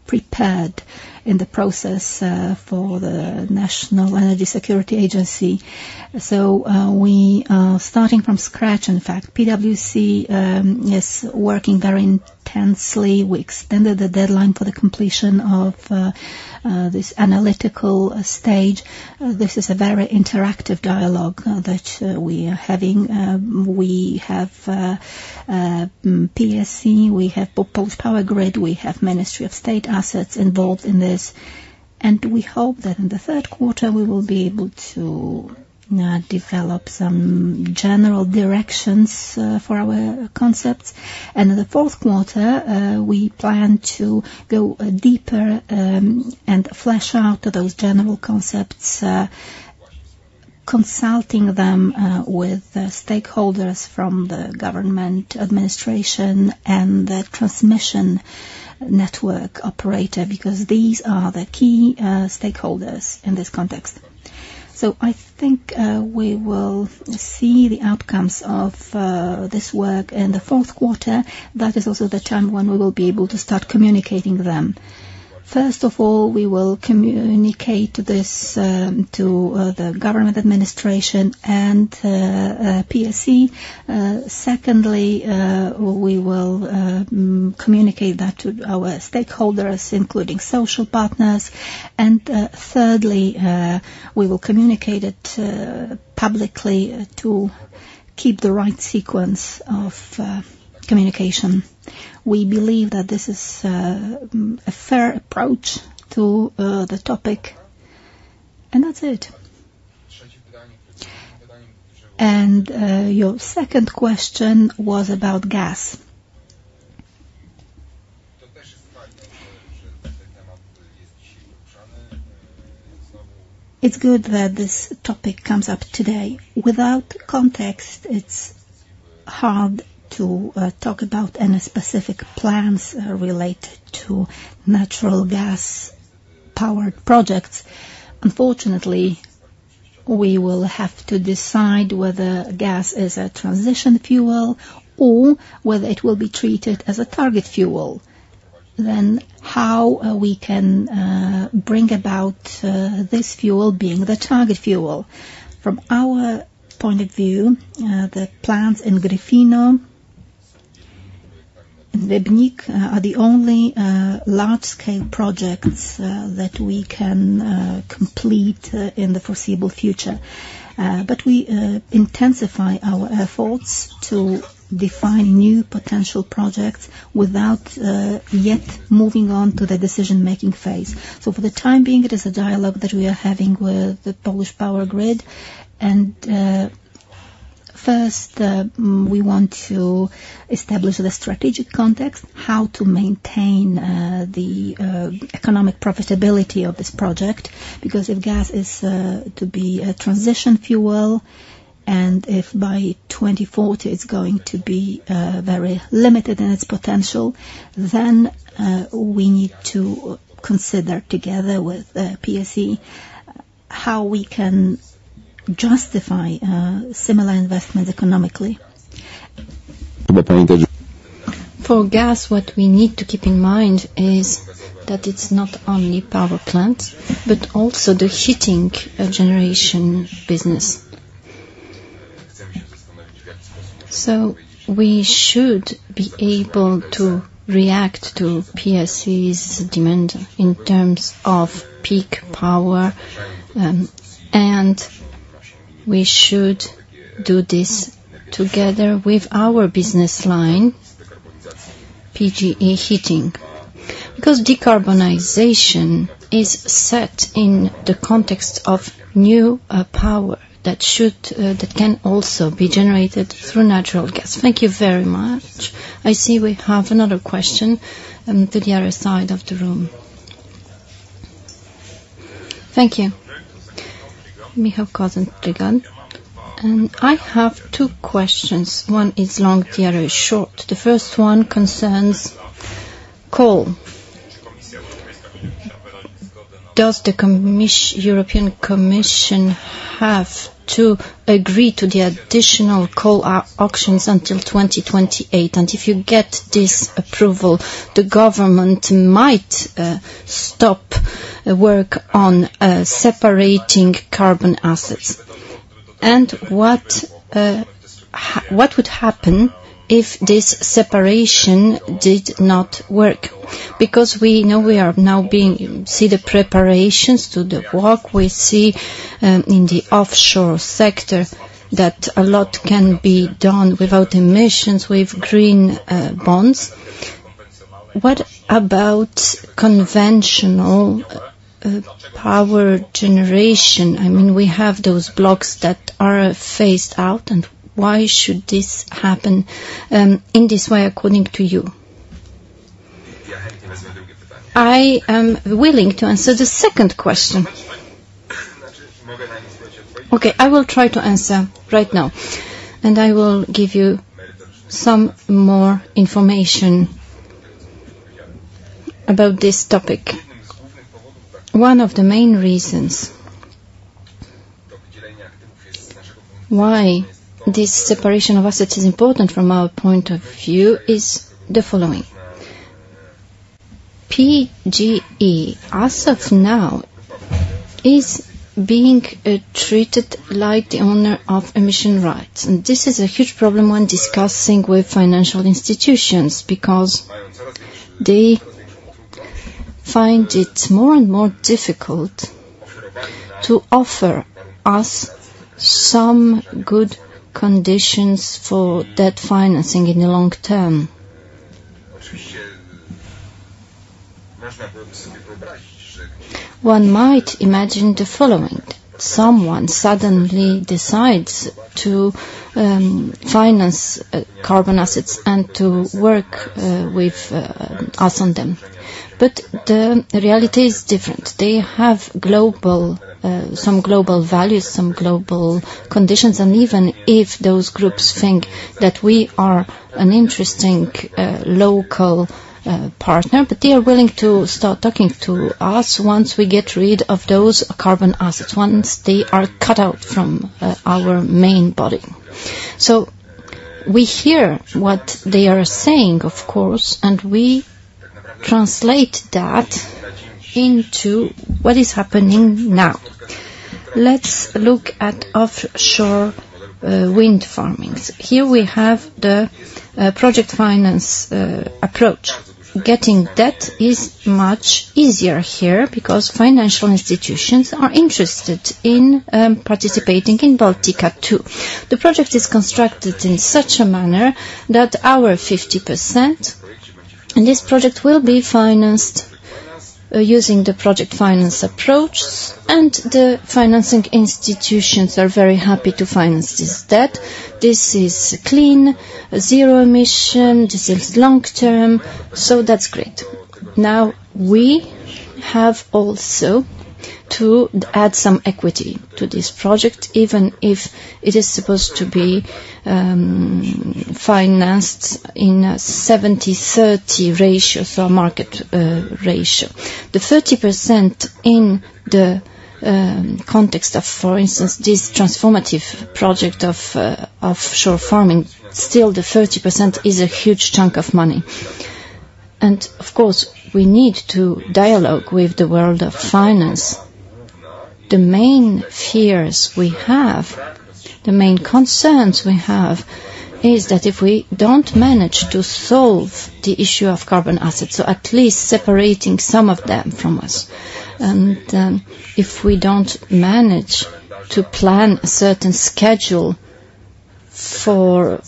prepared in the process for the National Energy Security Agency, so we are starting from scratch, in fact. PwC is working very intensely. We extended the deadline for the completion of this analytical stage. This is a very interactive dialogue that we are having. We have PSE, we have Polish Power Grid, we have Ministry of State Assets involved in this, and we hope that in the third quarter, we will be able to develop some general directions for our concepts, and in the fourth quarter, we plan to go deeper and flesh out those general concepts, consulting them with stakeholders from the government, administration, and the transmission network operator, because these are the key stakeholders in this context. So I think we will see the outcomes of this work in the fourth quarter. That is also the time when we will be able to start communicating them. First of all, we will communicate this to the government administration and PSE. Secondly, we will communicate that to our stakeholders, including social partners. And thirdly, we will communicate it publicly to keep the right sequence of communication. We believe that this is a fair approach to the topic. That's it. Your second question was about gas. It's good that this topic comes up today. Without context, it's hard to talk about any specific plans related to natural gas-powered projects. Unfortunately, we will have to decide whether gas is a transition fuel or whether it will be treated as a target fuel, then how we can bring about this fuel being the target fuel. From our point of view, the plants in Gryfino and Rybnik are the only large-scale projects that we can complete in the foreseeable future. But we intensify our efforts to define new potential projects without yet moving on to the decision-making phase. So for the time being, it is a dialogue that we are having with the Polish power grid, and first, we want to establish the strategic context, how to maintain the economic profitability of this project. Because if gas is to be a transition fuel, and if by 2040, it's going to be very limited in its potential, then we need to consider together with PSE, how we can justify similar investment economically. For gas, what we need to keep in mind is that it's not only power plants, but also the heating generation business. So we should be able to react to PSE's demand in terms of peak power, and we should do this together with our business line, PGE Heating. Because decarbonization is set in the context of new power that should that can also be generated through natural gas. Thank you very much. I see we have another question on the other side of the room. Thank you. Michał Kozak, and I have two questions. One is long, the other is short. The first one concerns coal. Does the European Commission have to agree to the additional coal auctions until twenty twenty-eight? And if you get this approval, the government might stop work on separating carbon assets. And what would happen if this separation did not work? Because we know we see the preparations to the work, we see in the offshore sector that a lot can be done without emissions, with green bonds. What about conventional power generation? I mean, we have those blocks that are phased out, and why should this happen in this way, according to you? I am willing to answer the second question. Okay, I will try to answer right now, and I will give you some more information about this topic. One of the main reasons why this separation of assets is important from our point of view is the following: PGE, as of now, is being treated like the owner of emission rights, and this is a huge problem when discussing with financial institutions because they find it more and more difficult to offer us some good conditions for debt financing in the long term. One might imagine the following: someone suddenly decides to finance carbon assets and to work with us on them. But the reality is different. They have global some global values, some global conditions, and even if those groups think that we are an interesting local partner, but they are willing to start talking to us once we get rid of those carbon assets, once they are cut out from our main body. So we hear what they are saying, of course, and we translate that into what is happening now. Let's look at offshore wind farms. Here we have the project finance approach. Getting debt is much easier here because financial institutions are interested in participating in Baltica 2. The project is constructed in such a manner that our 50%. And this project will be financed using the project finance approach, and the financing institutions are very happy to finance this debt. This is clean, zero emission, this is long-term, so that's great. Now, we have also to add some equity to this project, even if it is supposed to be financed in a 70/30 ratio, so a market ratio. The 30% in the context of, for instance, this transformative project of offshore farming, still the 30% is a huge chunk of money. And, of course, we need to dialogue with the world of finance. The main fears we have, the main concerns we have, is that if we don't manage to solve the issue of carbon assets, so at least separating some of them from us, and if we don't manage to plan a certain schedule for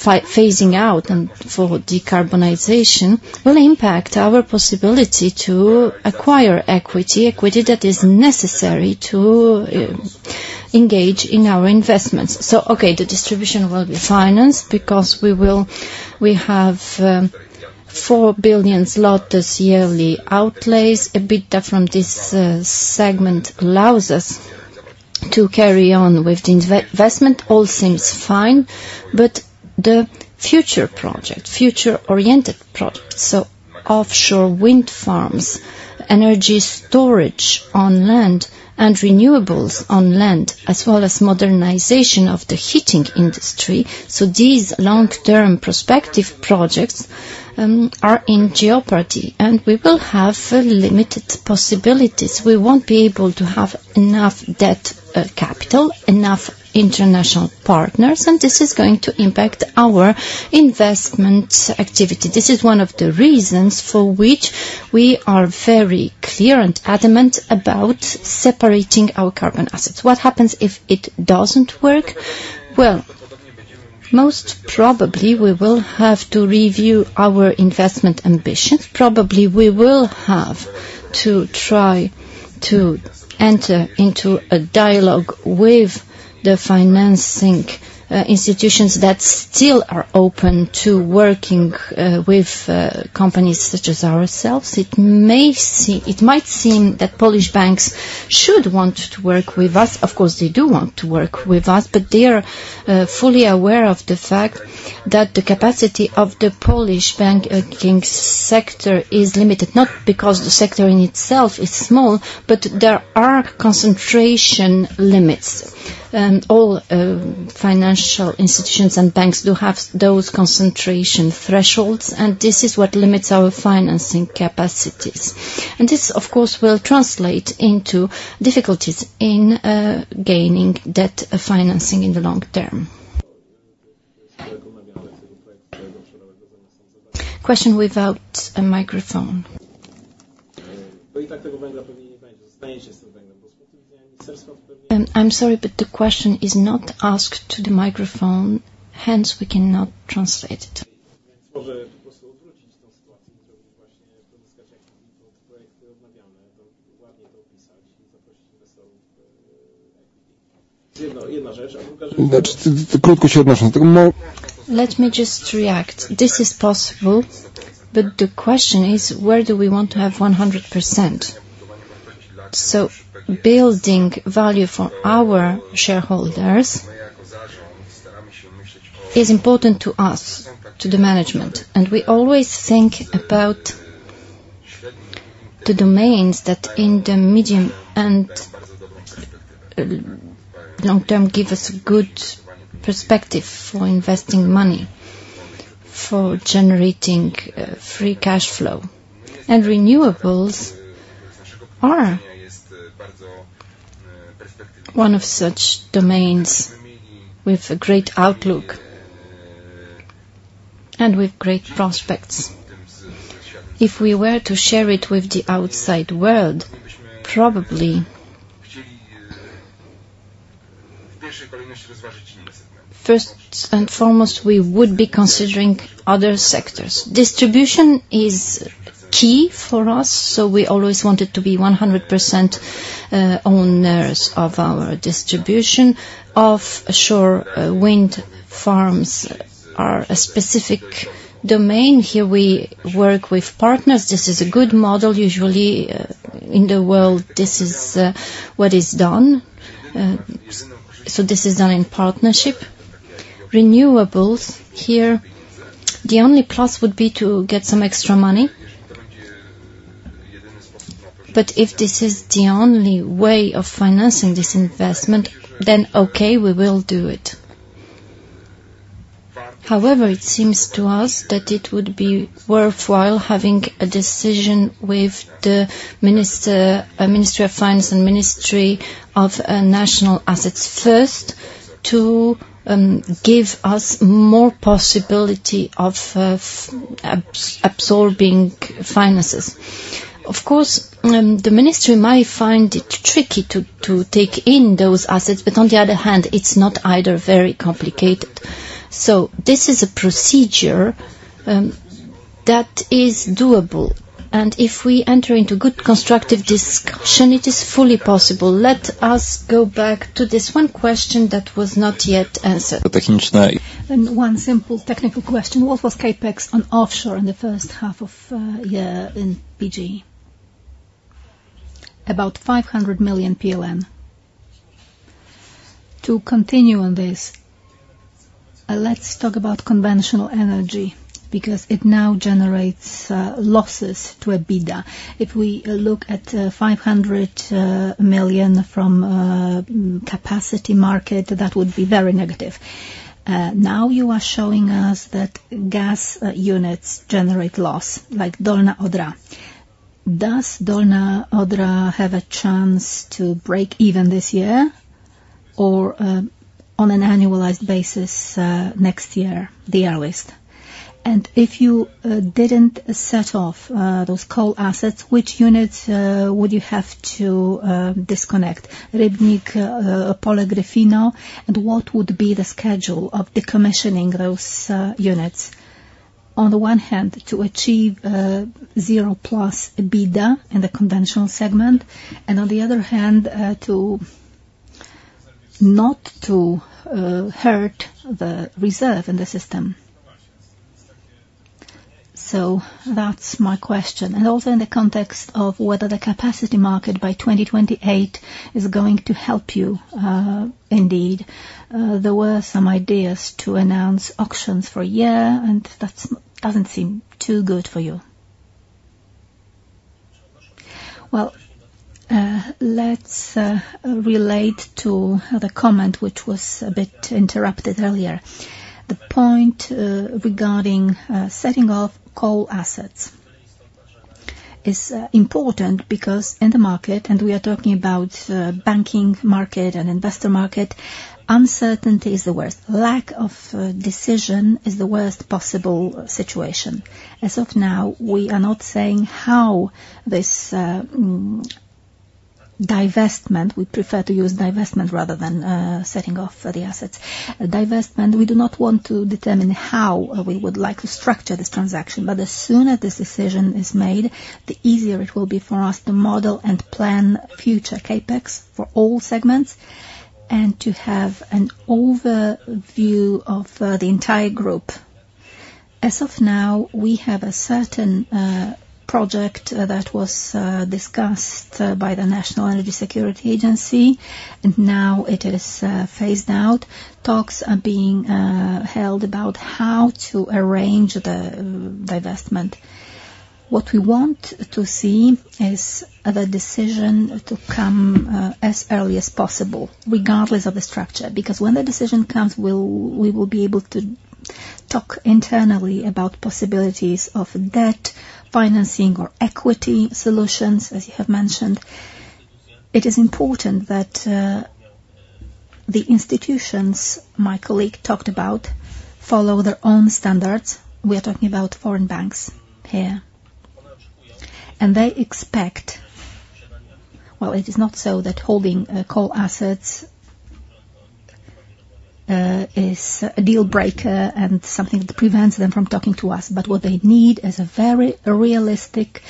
phasing out and for decarbonization, will impact our possibility to acquire equity, equity that is necessary to engage in our investments. Okay, the distribution will be financed because we have 4 billion zlotys yearly outlays. EBITDA from this segment allows us to carry on with the investment. All seems fine, but the future project, future-oriented projects, so offshore wind farms, energy storage on land and renewables on land, as well as modernization of the heating industry, so these long-term prospective projects are in jeopardy, and we will have limited possibilities. We won't be able to have enough debt capital, enough international partners, and this is going to impact our investment activity. This is one of the reasons for which we are very clear and adamant about separating our carbon assets. What happens if it doesn't work? Most probably, we will have to review our investment ambitions. Probably, we will have to try to enter into a dialogue with the financing institutions that still are open to working with companies such as ourselves. It may seem. It might seem that Polish banks should want to work with us. Of course, they do want to work with us, but they are fully aware of the fact that the capacity of the Polish banking sector is limited, not because the sector in itself is small, but there are concentration limits. All financial institutions and banks do have those concentration thresholds, and this is what limits our financing capacities. And this, of course, will translate into difficulties in gaining debt financing in the long term. Question without a microphone. I'm sorry, but the question is not asked to the microphone, hence, we cannot translate it. Let me just react. This is possible, but the question is, where do we want to have 100%? So building value for our shareholders is important to us, to the management, and we always think about the domains that in the medium and long term, give us good perspective for investing money, for generating free cash flow, and renewables are one of such domains with a great outlook and with great prospects. If we were to share it with the outside world, probably, first and foremost, we would be considering other sectors. Distribution is key for us, so we always want it to be 100% owners of our distribution. Offshore wind farms are a specific domain. Here, we work with partners. This is a good model. Usually in the world, this is what is done. So this is done in partnership. Renewables, here, the only plus would be to get some extra money. But if this is the only way of financing this investment, then okay, we will do it. However, it seems to us that it would be worthwhile having a decision with the Minister, Ministry of Finance and Ministry of National Assets first to give us more possibility of absorbing finances. Of course, the Ministry might find it tricky to take in those assets, but on the other hand, it's not either very complicated. So this is a procedure that is doable, and if we enter into good, constructive discussion, it is fully possible. Let us go back to this one question that was not yet answered. One simple technical question: What was CapEx on offshore in the first half of the year in PGE? About PLN 500 million. To continue on this, let's talk about conventional energy, because it now generates losses to EBITDA. If we look at 500 million from capacity market, that would be very negative. Now you are showing us that gas units generate loss, like Dolna Odra. Does Dolna Odra have a chance to break even this year or, on an annualized basis, next year, the earliest? And if you didn't set off those coal assets, which units would you have to disconnect? Rybnik, Opole, Gryfino, and what would be the schedule of decommissioning those units? On the one hand, to achieve zero plus EBITDA in the conventional segment, and on the other hand, to not hurt the reserve in the system. So that's my question. And also in the context of whether the capacity market by 2028 is going to help you indeed. There were some ideas to announce auctions for a year, and that's doesn't seem too good for you. Well, let's relate to the comment, which was a bit interrupted earlier. The point regarding setting off coal assets is important because in the market, and we are talking about banking market and investor market, uncertainty is the worst. Lack of decision is the worst possible situation. As of now, we are not saying how this divestment, we prefer to use divestment rather than setting off the assets. Divestment, we do not want to determine how we would like to structure this transaction, but the sooner this decision is made, the easier it will be for us to model and plan future CapEx for all segments and to have an overview of the entire group. As of now, we have a certain project that was discussed by the National Energy Security Agency, and now it is phased out. Talks are being held about how to arrange the divestment. What we want to see is the decision to come as early as possible, regardless of the structure, because when the decision comes, we will be able to talk internally about possibilities of debt financing or equity solutions, as you have mentioned. It is important that the institutions my colleague talked about follow their own standards. We are talking about foreign banks here. And they expect. Well, it is not so that holding coal assets is a deal breaker and something that prevents them from talking to us, but what they need is a very realistic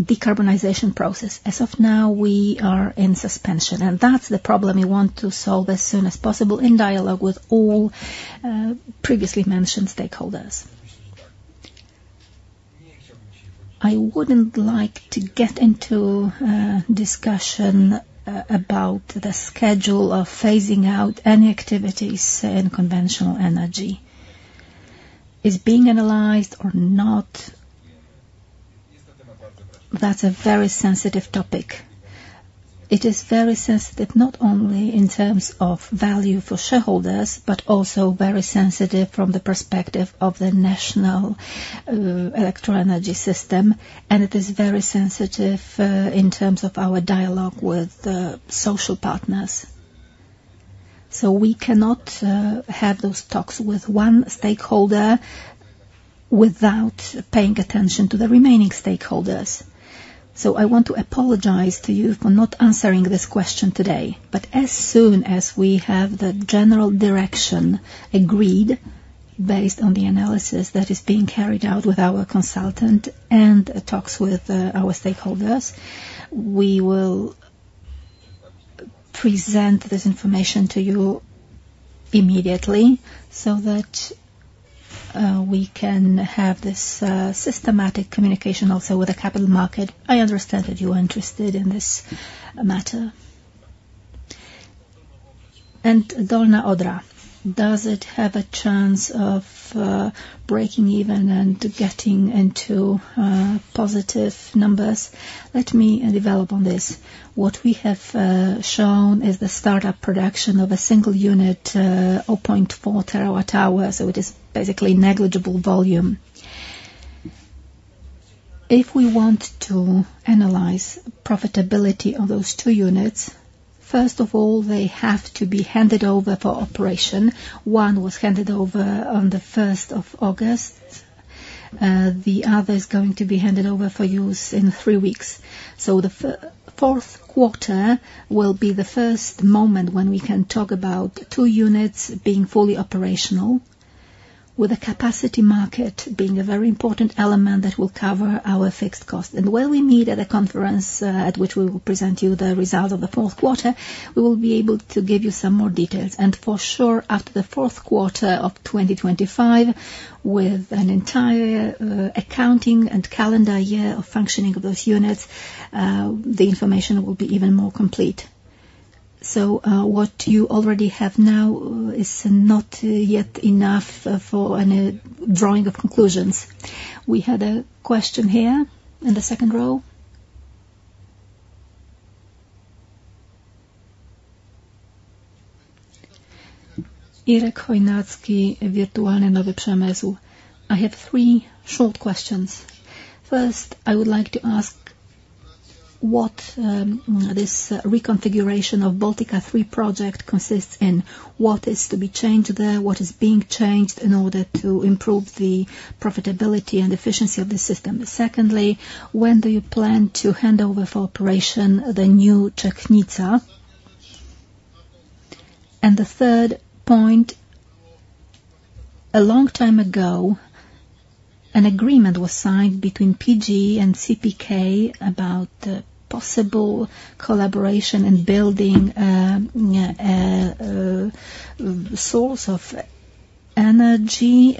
decarbonization process. As of now, we are in suspension, and that's the problem we want to solve as soon as possible in dialogue with all previously mentioned stakeholders. I wouldn't like to get into a discussion about the schedule of phasing out any activities in conventional energy. It's being analyzed or not, that's a very sensitive topic. It is very sensitive, not only in terms of value for shareholders, but also very sensitive from the perspective of the national electroenergy system, and it is very sensitive in terms of our dialogue with the social partners. So we cannot have those talks with one stakeholder without paying attention to the remaining stakeholders. So I want to apologize to you for not answering this question today, but as soon as we have the general direction agreed, based on the analysis that is being carried out with our consultant and talks with our stakeholders, we will present this information to you immediately so that we can have this systematic communication also with the capital market. I understand that you are interested in this matter. Dolna Odra, does it have a chance of breaking even and getting into positive numbers? Let me develop on this. What we have shown is the start-up production of a single unit, 0.4 TWh, so it is basically negligible volume. If we want to analyze profitability of those two units. First of all, they have to be handed over for operation. One was handed over on the first of August, the other is going to be handed over for use in three weeks. So the fourth quarter will be the first moment when we can talk about two units being fully operational, with a capacity market being a very important element that will cover our fixed cost. And when we meet at the conference, at which we will present you the results of the fourth quarter, we will be able to give you some more details. And for sure, after the fourth quarter of 2025, with an entire, accounting and calendar year of functioning of those units, the information will be even more complete. So, what you already have now is not yet enough, for any drawing of conclusions. We had a question here, in the second row. Ireneusz Chojnacki, Wirtualny Nowy Przemysł. I have three short questions. First, I would like to ask what this reconfiguration of Baltica 3 project consists in? What is to be changed there? What is being changed in order to improve the profitability and efficiency of the system? Secondly, when do you plan to hand over for operation the new Czechnica? And the third point, a long time ago, an agreement was signed between PGE and CPK about possible collaboration in building source of energy.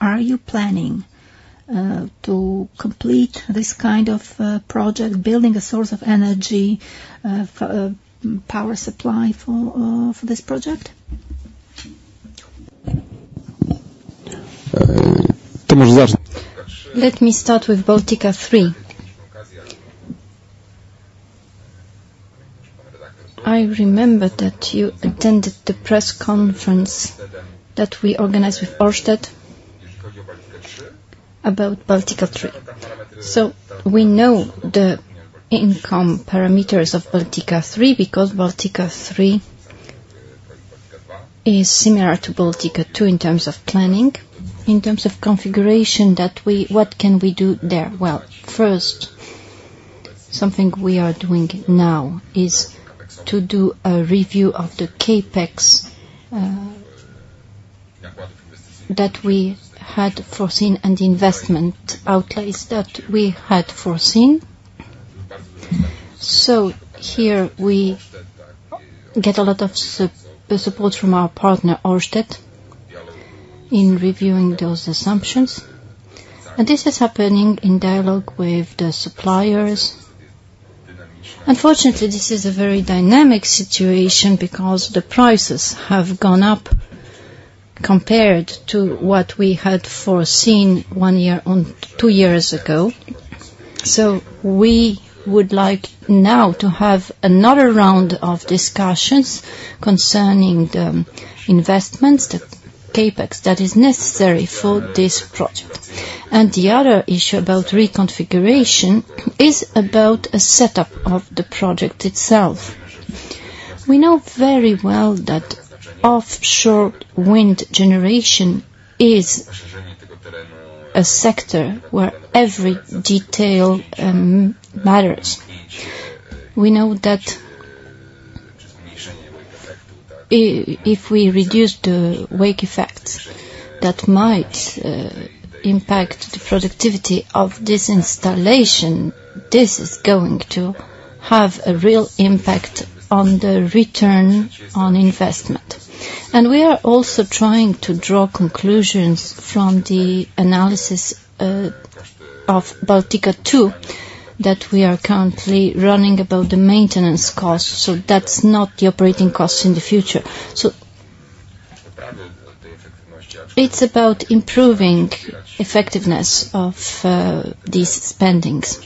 Are you planning to complete this kind of project, building a source of energy for power supply for this project? Let me start with Baltica 3. I remember that you attended the press conference that we organized with Ørsted about Baltica 3. So we know the income parameters of Baltica 3, because Baltica 3 is similar to Baltica 2 in terms of planning. In terms of configuration, what can we do there? Well, first, something we are doing now is to do a review of the CapEx that we had foreseen, and the investment outlays that we had foreseen. So here we get a lot of support from our partner, Ørsted, in reviewing those assumptions, and this is happening in dialogue with the suppliers. Unfortunately, this is a very dynamic situation because the prices have gone up compared to what we had foreseen one year, two years ago. So we would like now to have another round of discussions concerning the investments, the CapEx, that is necessary for this project. And the other issue about reconfiguration is about a setup of the project itself. We know very well that offshore wind generation is a sector where every detail matters. We know that, if we reduce the wake effects, that might impact the productivity of this installation, this is going to have a real impact on the return on investment. And we are also trying to draw conclusions from the analysis of Baltica 2, that we are currently running about the maintenance costs, so that's not the operating costs in the future. So it's about improving effectiveness of these spendings.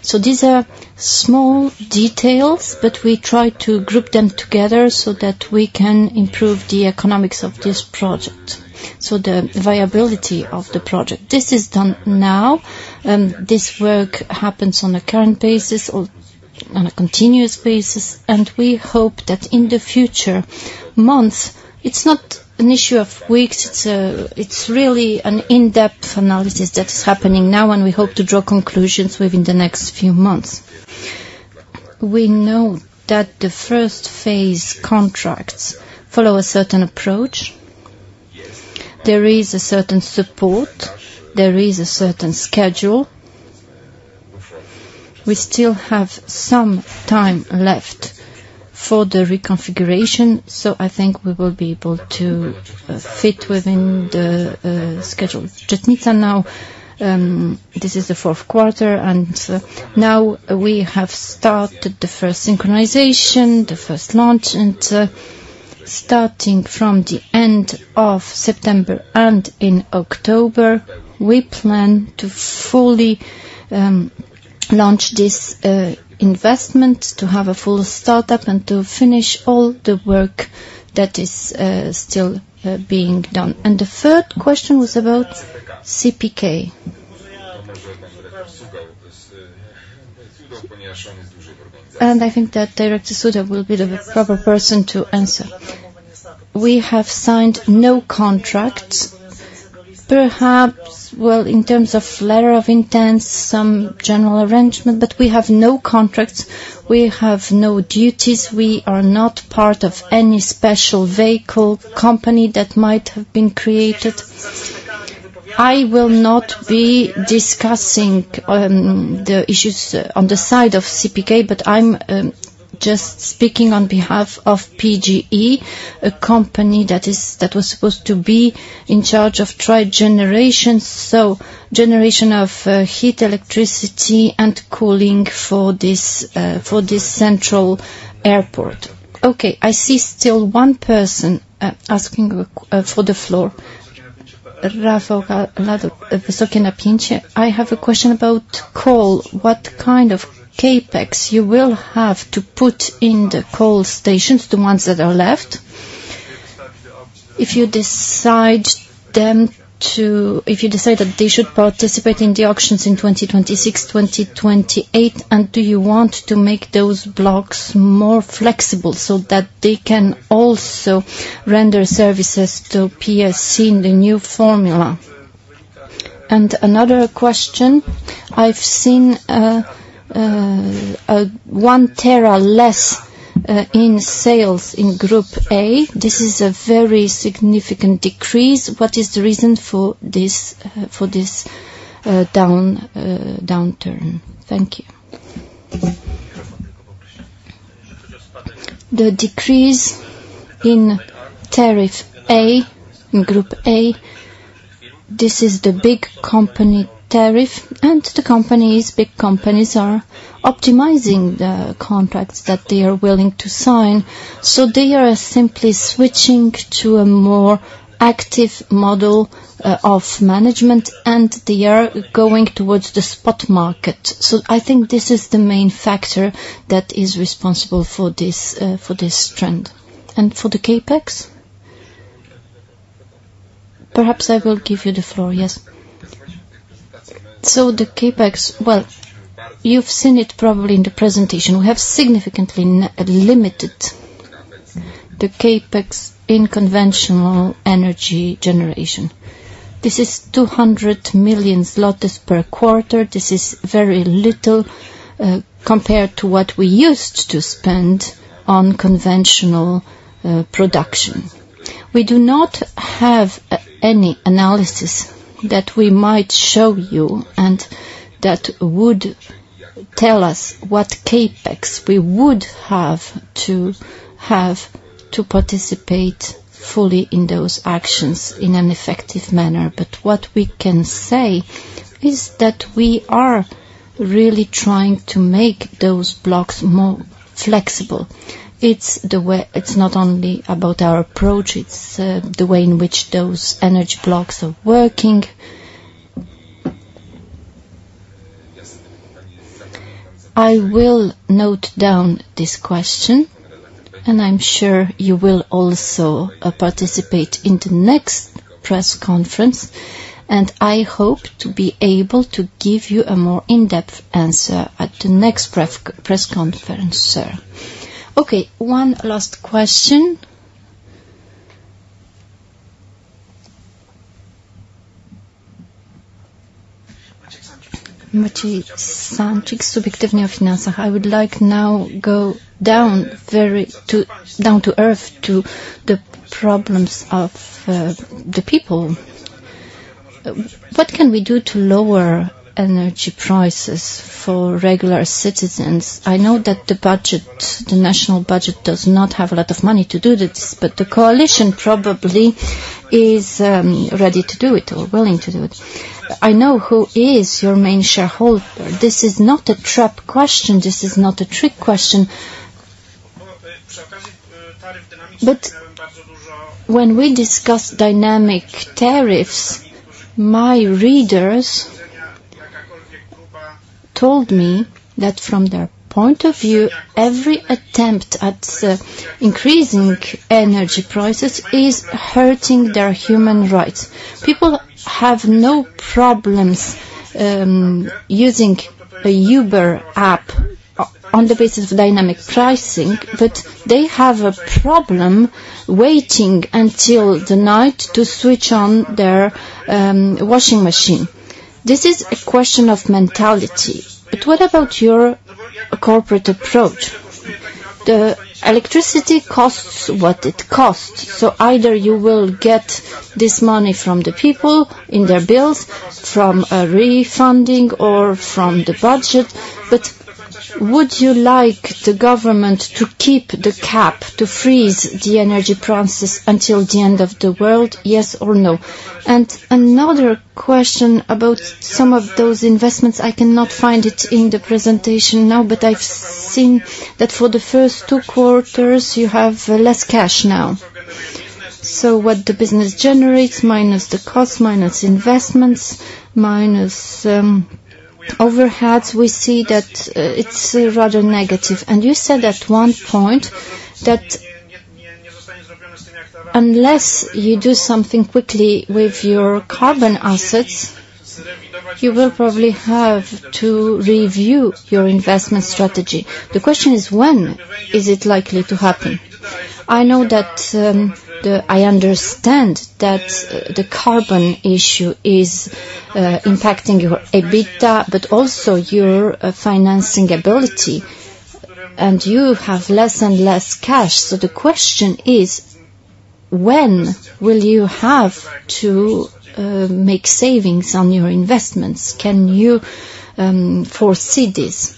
So these are small details, but we try to group them together so that we can improve the economics of this project. The viability of the project. This is done now, this work happens on a current basis or on a continuous basis, and we hope that in the future months, it's not an issue of weeks, it's really an in-depth analysis that is happening now, and we hope to draw conclusions within the next few months. We know that the first phase contracts follow a certain approach. There is a certain support, there is a certain schedule. We still have some time left for the reconfiguration, so I think we will be able to fit within the schedule. Czechnica now, this is the fourth quarter, and now we have started the first synchronization, the first launch, and starting from the end of September and in October, we plan to fully launch this investment, to have a full startup and to finish all the work that is still being done. The third question was about CPK. I think that Director Sudoł will be the proper person to answer. We have signed no contracts. Perhaps, well, in terms of letter of intent, some general arrangement, but we have no contracts, we have no duties, we are not part of any special vehicle company that might have been created. I will not be discussing the issues on the side of CPK, but I'm just speaking on behalf of PGE, a company that was supposed to be in charge of trigeneration, so generation of heat, electricity, and cooling for this central airport. Okay, I see still one person asking for the floor. Rafał Zasuń of Wysokie Napięcie. I have a question about coal. What kind of CapEx will you have to put in the coal stations, the ones that are left? If you decide that they should participate in the auctions in 2026, 2028, and do you want to make those blocks more flexible so that they can also render services to PSE in the new formula? Another question, I've seen 1 Tera less in sales in Group A. This is a very significant decrease. What is the reason for this downturn? Thank you. The decrease in Tariff A, in Group A, this is the big company tariff, and the companies, big companies, are optimizing the contracts that they are willing to sign. So they are simply switching to a more active model of management, and they are going towards the spot market. I think this is the main factor that is responsible for this trend. For the CapEx? Perhaps I will give you the floor, yes. The CapEx, well, you've seen it probably in the presentation. We have significantly limited the CapEx in conventional energy generation. This is 200 million zlotys per quarter. This is very little compared to what we used to spend on conventional production. We do not have any analysis that we might show you, and that would tell us what CapEx we would have to have to participate fully in those actions in an effective manner. But what we can say is that we are really trying to make those blocks more flexible. It's the way. It's not only about our approach, it's the way in which those energy blocks are working. I will note down this question, and I'm sure you will also participate in the next press conference, and I hope to be able to give you a more in-depth answer at the next press conference, sir. Okay, one last question. Maciej Samcik, Subiektywnie o Finansach. I would like now go down very down to earth to the problems of the people. What can we do to lower energy prices for regular citizens? I know that the budget, the national budget, does not have a lot of money to do this, but the coalition probably is ready to do it or willing to do it. I know who is your main shareholder. This is not a trap question. This is not a trick question. But when we discussed dynamic tariffs, my readers told me that from their point of view, every attempt at increasing energy prices is hurting their human rights. People have no problems using a Uber app on the basis of dynamic pricing, but they have a problem waiting until the night to switch on their washing machine. This is a question of mentality. But what about your corporate approach? The electricity costs what it costs, so either you will get this money from the people in their bills, from a refunding or from the budget. But would you like the government to keep the cap, to freeze the energy prices until the end of the world? Yes or no? And another question about some of those investments, I cannot find it in the presentation now, but I've seen that for the first two quarters, you have less cash now. So what the business generates, minus the cost, minus investments, minus overheads, we see that it's rather negative. And you said at one point that unless you do something quickly with your carbon assets, you will probably have to review your investment strategy. The question is, when is it likely to happen? I know that the carbon issue is impacting your EBITDA, but also your financing ability, and you have less and less cash. So the question is, when will you have to make savings on your investments? Can you foresee this?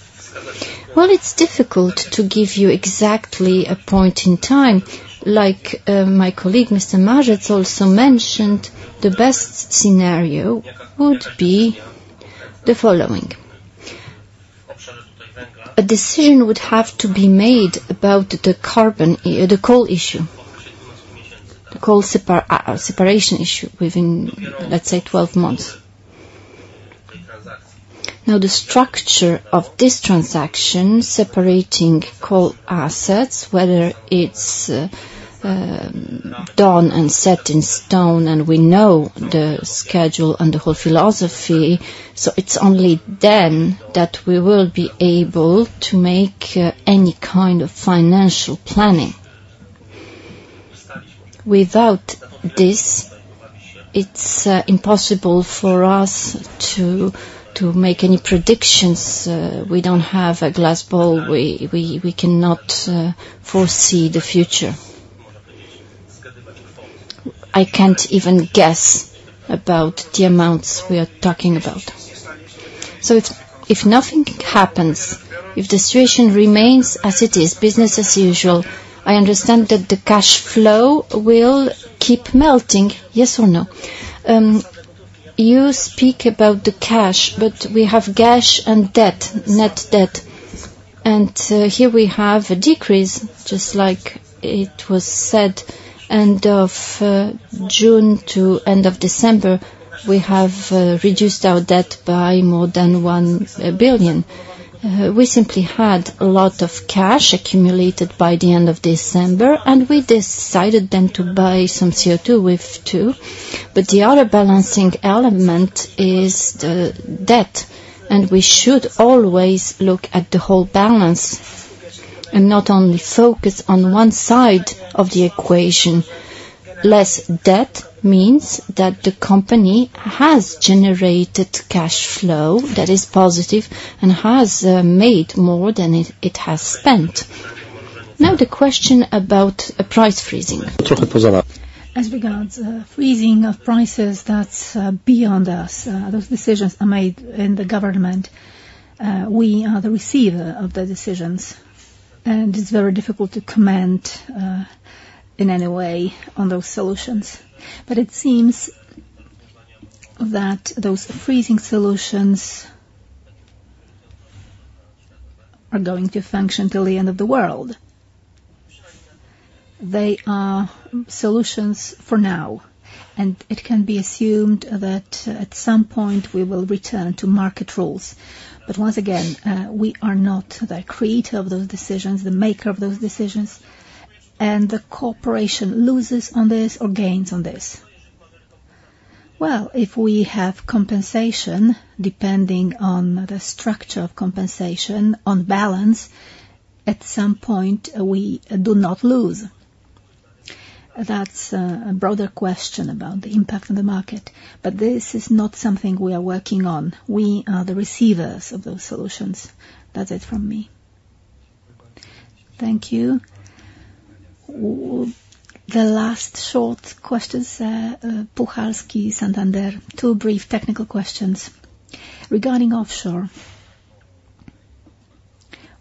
Well, it's difficult to give you exactly a point in time. Like, my colleague, Mr. Maciej, also mentioned, the best scenario would be the following: A decision would have to be made about the carbon, the coal issue, the coal separation issue within, let's say, twelve months. Now, the structure of this transaction, separating coal assets, whether it's done and set in stone, and we know the schedule and the whole philosophy, so it's only then that we will be able to make any kind of financial planning. Without this, it's impossible for us to make any predictions. We don't have a glass ball. We cannot foresee the future. I can't even guess about the amounts we are talking about. So if nothing happens, if the situation remains as it is, business as usual, I understand that the cash flow will keep melting, yes or no? You speak about the cash, but we have cash and debt, net debt. And here we have a decrease, just like it was said, end of June to end of December, we have reduced our debt by more than 1 billion. We simply had a lot of cash accumulated by the end of December, and we decided then to buy some CO2 with it too. But the other balancing element is the debt, and we should always look at the whole balance and not only focus on one side of the equation. Less debt means that the company has generated cash flow that is positive and has made more than it, it has spent. Now, the question about a price freezing. As regards freezing of prices, that's beyond us. Those decisions are made in the government. We are the receiver of the decisions, and it's very difficult to comment in any way on those solutions. But it seems that those freezing solutions are going to function till the end of the world. They are solutions for now, and it can be assumed that at some point we will return to market rules. But once again, we are not the creator of those decisions, the maker of those decisions. And the corporation loses on this or gains on this? Well, if we have compensation, depending on the structure of compensation on balance, at some point, we do not lose. That's a broader question about the impact on the market, but this is not something we are working on. We are the receivers of those solutions. That's it from me. Thank you. The last short questions, Puchalski, Santander. Two brief technical questions. Regarding offshore,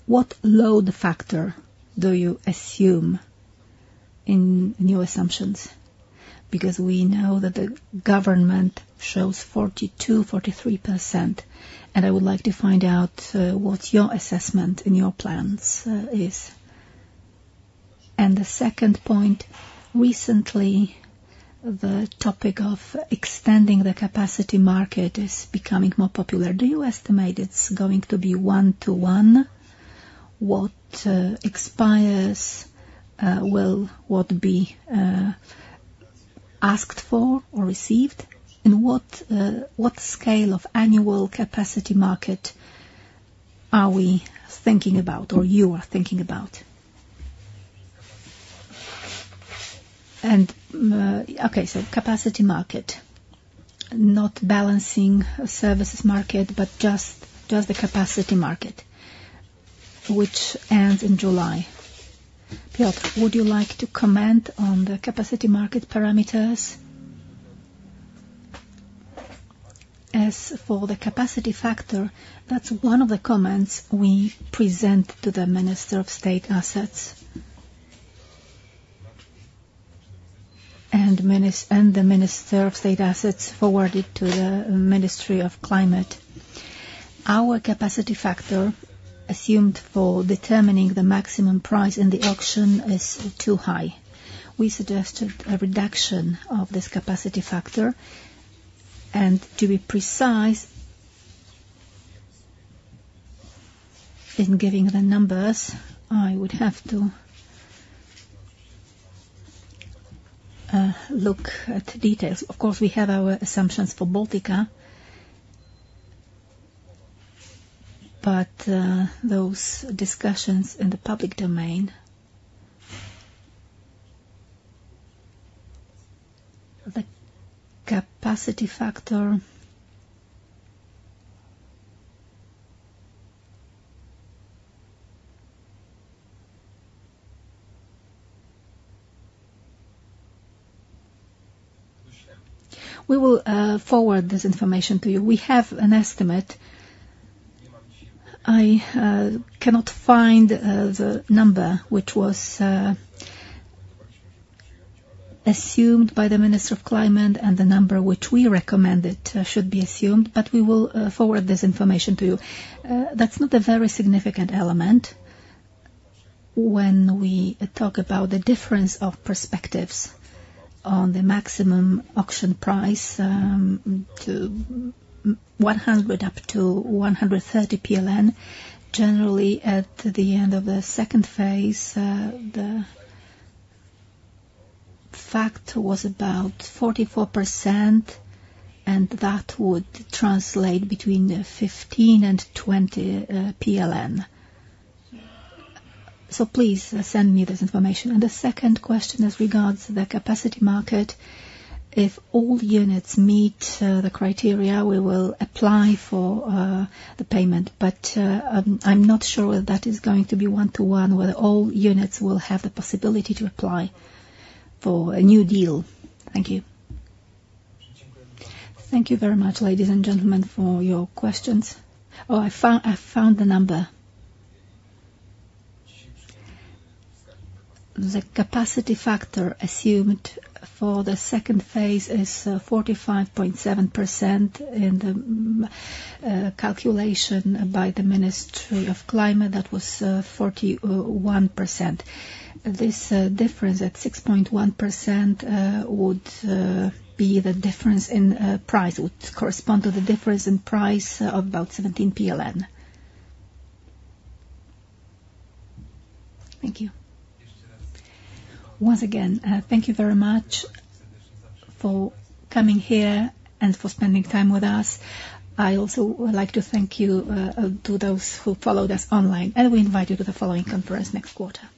what load factor do you assume in new assumptions? Because we know that the government shows 42, 43%, and I would like to find out what your assessment in your plans is. And the second point, recently, the topic of extending the capacity market is becoming more popular. Do you estimate it's going to be one to one? What expires? Will what be asked for or received? And what scale of annual capacity market are we thinking about or you are thinking about? And... Okay, so capacity market, not balancing market, but just the capacity market, which ends in July. Piotr, would you like to comment on the capacity market parameters? As for the capacity factor, that's one of the comments we present to the Minister of State Assets. And the Minister of State Assets forward it to the Ministry of Climate. Our capacity factor, assumed for determining the maximum price in the auction, is too high. We suggested a reduction of this capacity factor, and to be precise in giving the numbers, I would have to look at the details. Of course, we have our assumptions for Baltica, but those discussions in the public domain, the capacity factor. We will forward this information to you. We have an estimate. I cannot find the number which was assumed by the Minister of Climate and the number which we recommended should be assumed, but we will forward this information to you. That's not a very significant element when we talk about the difference of perspectives on the maximum auction price, 100 to 130 PLN. Generally, at the end of the second phase, the fact was about 44%, and that would translate between 15 and 20 PLN. So please, send me this information. And the second question as regards to the capacity market, if all units meet the criteria, we will apply for the payment. But, I'm not sure whether that is going to be one to one, where all units will have the possibility to apply for a new deal. Thank you. Thank you very much, ladies and gentlemen, for your questions. Oh, I found the number. The capacity factor assumed for the second phase is 45.7%, in the calculation by the Ministry of Climate, that was 41%. This difference at 6.1% would be the difference in price, would correspond to the difference in price of about 17 PLN. Thank you. Once again, thank you very much for coming here and for spending time with us. I also would like to thank you to those who followed us online, and we invite you to the following conference next quarter.